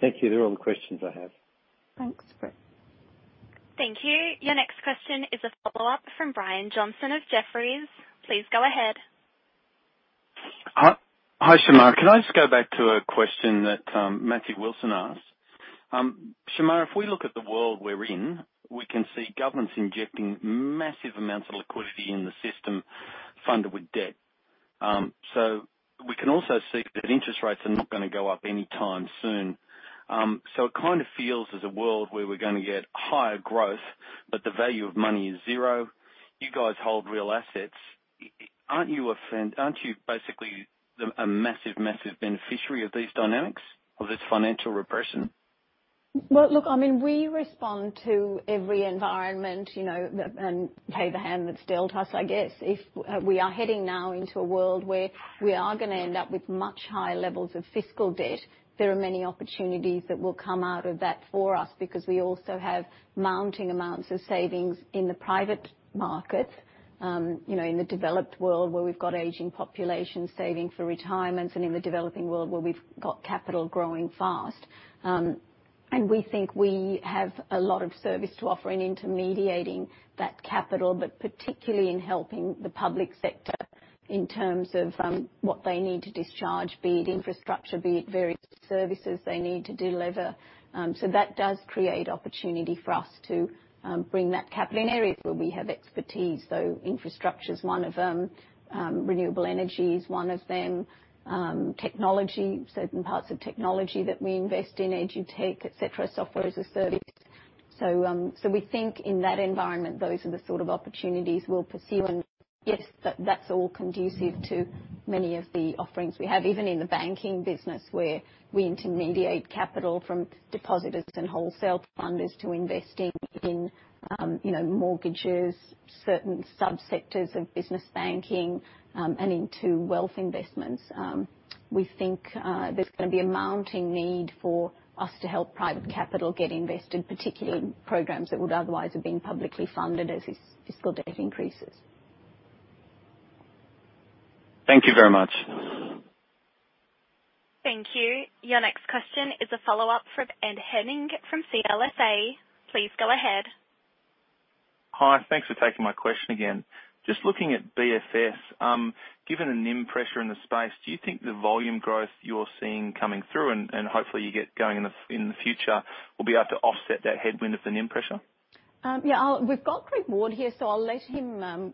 Thank you. They're all the questions I have. Thanks, Brett. Thank you. Your next question is a follow-up from Brian Johnson of Jefferies. Please go ahead. Hi, Shemara. Can I just go back to a question that Matthew Wilson asked? Shemara, if we look at the world we're in, we can see governments injecting massive amounts of liquidity in the system funded with debt. We can also see that interest rates are not going to go up anytime soon. It kind of feels there's a world where we're going to get higher growth, but the value of money is zero. You guys hold real assets. Aren't you basically a massive beneficiary of these dynamics, of this financial repression? Well, look, we respond to every environment, and play the hand that's dealt us, I guess. If we are heading now into a world where we are going to end up with much higher levels of fiscal debt, there are many opportunities that will come out of that for us because we also have mounting amounts of savings in the private market. In the developed world where we've got aging population saving for retirements and in the developing world where we've got capital growing fast. We think we have a lot of service to offer in intermediating that capital, but particularly in helping the public sector in terms of what they need to discharge, be it infrastructure, be it various services they need to deliver. That does create opportunity for us to bring that capital in areas where we have expertise. Infrastructure's one of them, renewable energy is one of them, technology, certain parts of technology that we invest in edutech, et cetera, software as a service. We think in that environment, those are the sort of opportunities we'll pursue and yes, that's all conducive to many of the offerings we have, even in the banking business where we intermediate capital from depositors and wholesale funders to investing in mortgages, certain subsectors of business banking, and into wealth investments. We think there's going to be a mounting need for us to help private capital get invested, particularly in programs that would otherwise have been publicly funded as fiscal debt increases. Thank you very much. Thank you. Your next question is a follow-up from Ed Henning from CLSA. Please go ahead. Hi. Thanks for taking my question again. Just looking at BFS. Given the NIM pressure in the space, do you think the volume growth you're seeing coming through and hopefully you get going in the future, will be able to offset that headwind of the NIM pressure? Yeah. We've got Greg Ward here, so I'll let him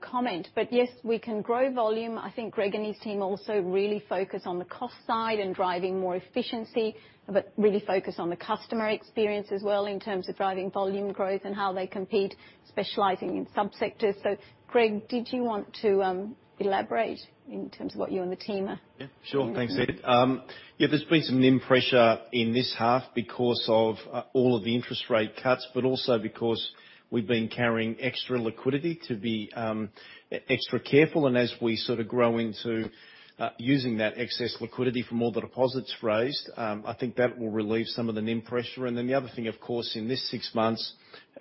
comment. Yes, we can grow volume. I think Greg and his team also really focus on the cost side and driving more efficiency, but really focus on the customer experience as well in terms of driving volume growth and how they compete specializing in subsectors. Greg, did you want to elaborate? Sure. Thanks, Ed. There's been some NIM pressure in this half because of all of the interest rate cuts, but also because we've been carrying extra liquidity to be extra careful. As we sort of grow into using that excess liquidity from all the deposits raised, I think that will relieve some of the NIM pressure. The other thing, of course, in this six months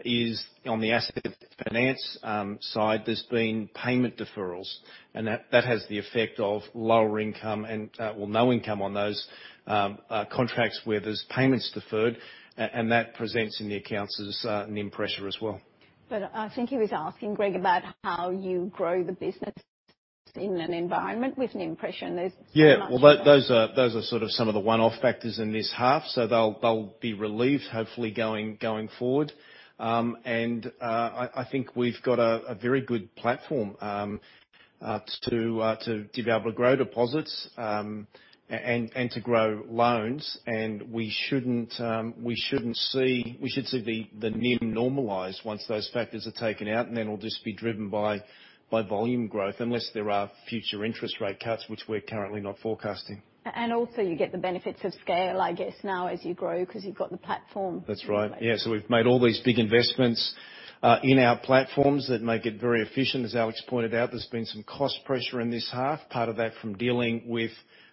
is on the asset finance side, there's been payment deferrals, and that has the effect of lower income or no income on those contracts where there's payments deferred. That presents in the accounts as NIM pressure as well. I think he was asking, Greg, about how you grow the business in an environment with NIM pressure and there's so much- Yeah. Well, those are sort of some of the one-off factors in this half. They'll be relieved, hopefully going forward. I think we've got a very good platform to be able to grow deposits and to grow loans. We should see the NIM normalize once those factors are taken out and then it'll just be driven by volume growth unless there are future interest rate cuts, which we're currently not forecasting. Also you get the benefits of scale, I guess now as you grow because you've got the platform. That's right. Yeah. We've made all these big investments in our platforms that make it very efficient. As Alex pointed out, there's been some cost pressure in this half, part of that from dealing with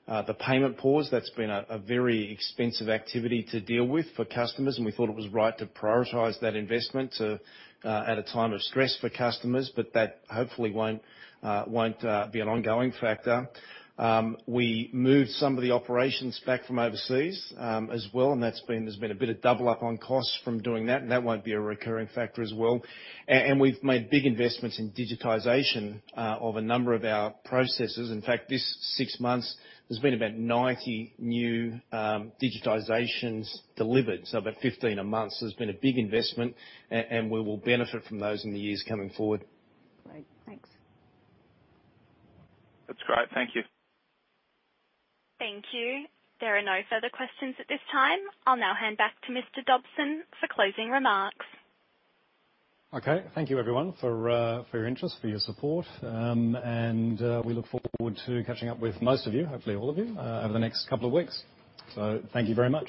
the payment pause. That's been a very expensive activity to deal with for customers, and we thought it was right to prioritize that investment at a time of stress for customers, but that hopefully won't be an ongoing factor. We moved some of the operations back from overseas as well, and there's been a bit of double up on costs from doing that, and that won't be a recurring factor as well. We've made big investments in digitization of a number of our processes. In fact, this six months, there's been about 90 new digitizations delivered, so about 15 a month. There's been a big investment and we will benefit from those in the years coming forward. Great. Thanks. That's great. Thank you. Thank you. There are no further questions at this time. I'll now hand back to Mr. Dobson for closing remarks. Okay. Thank you everyone for your interest, for your support. We look forward to catching up with most of you, hopefully all of you, over the next couple of weeks. Thank you very much.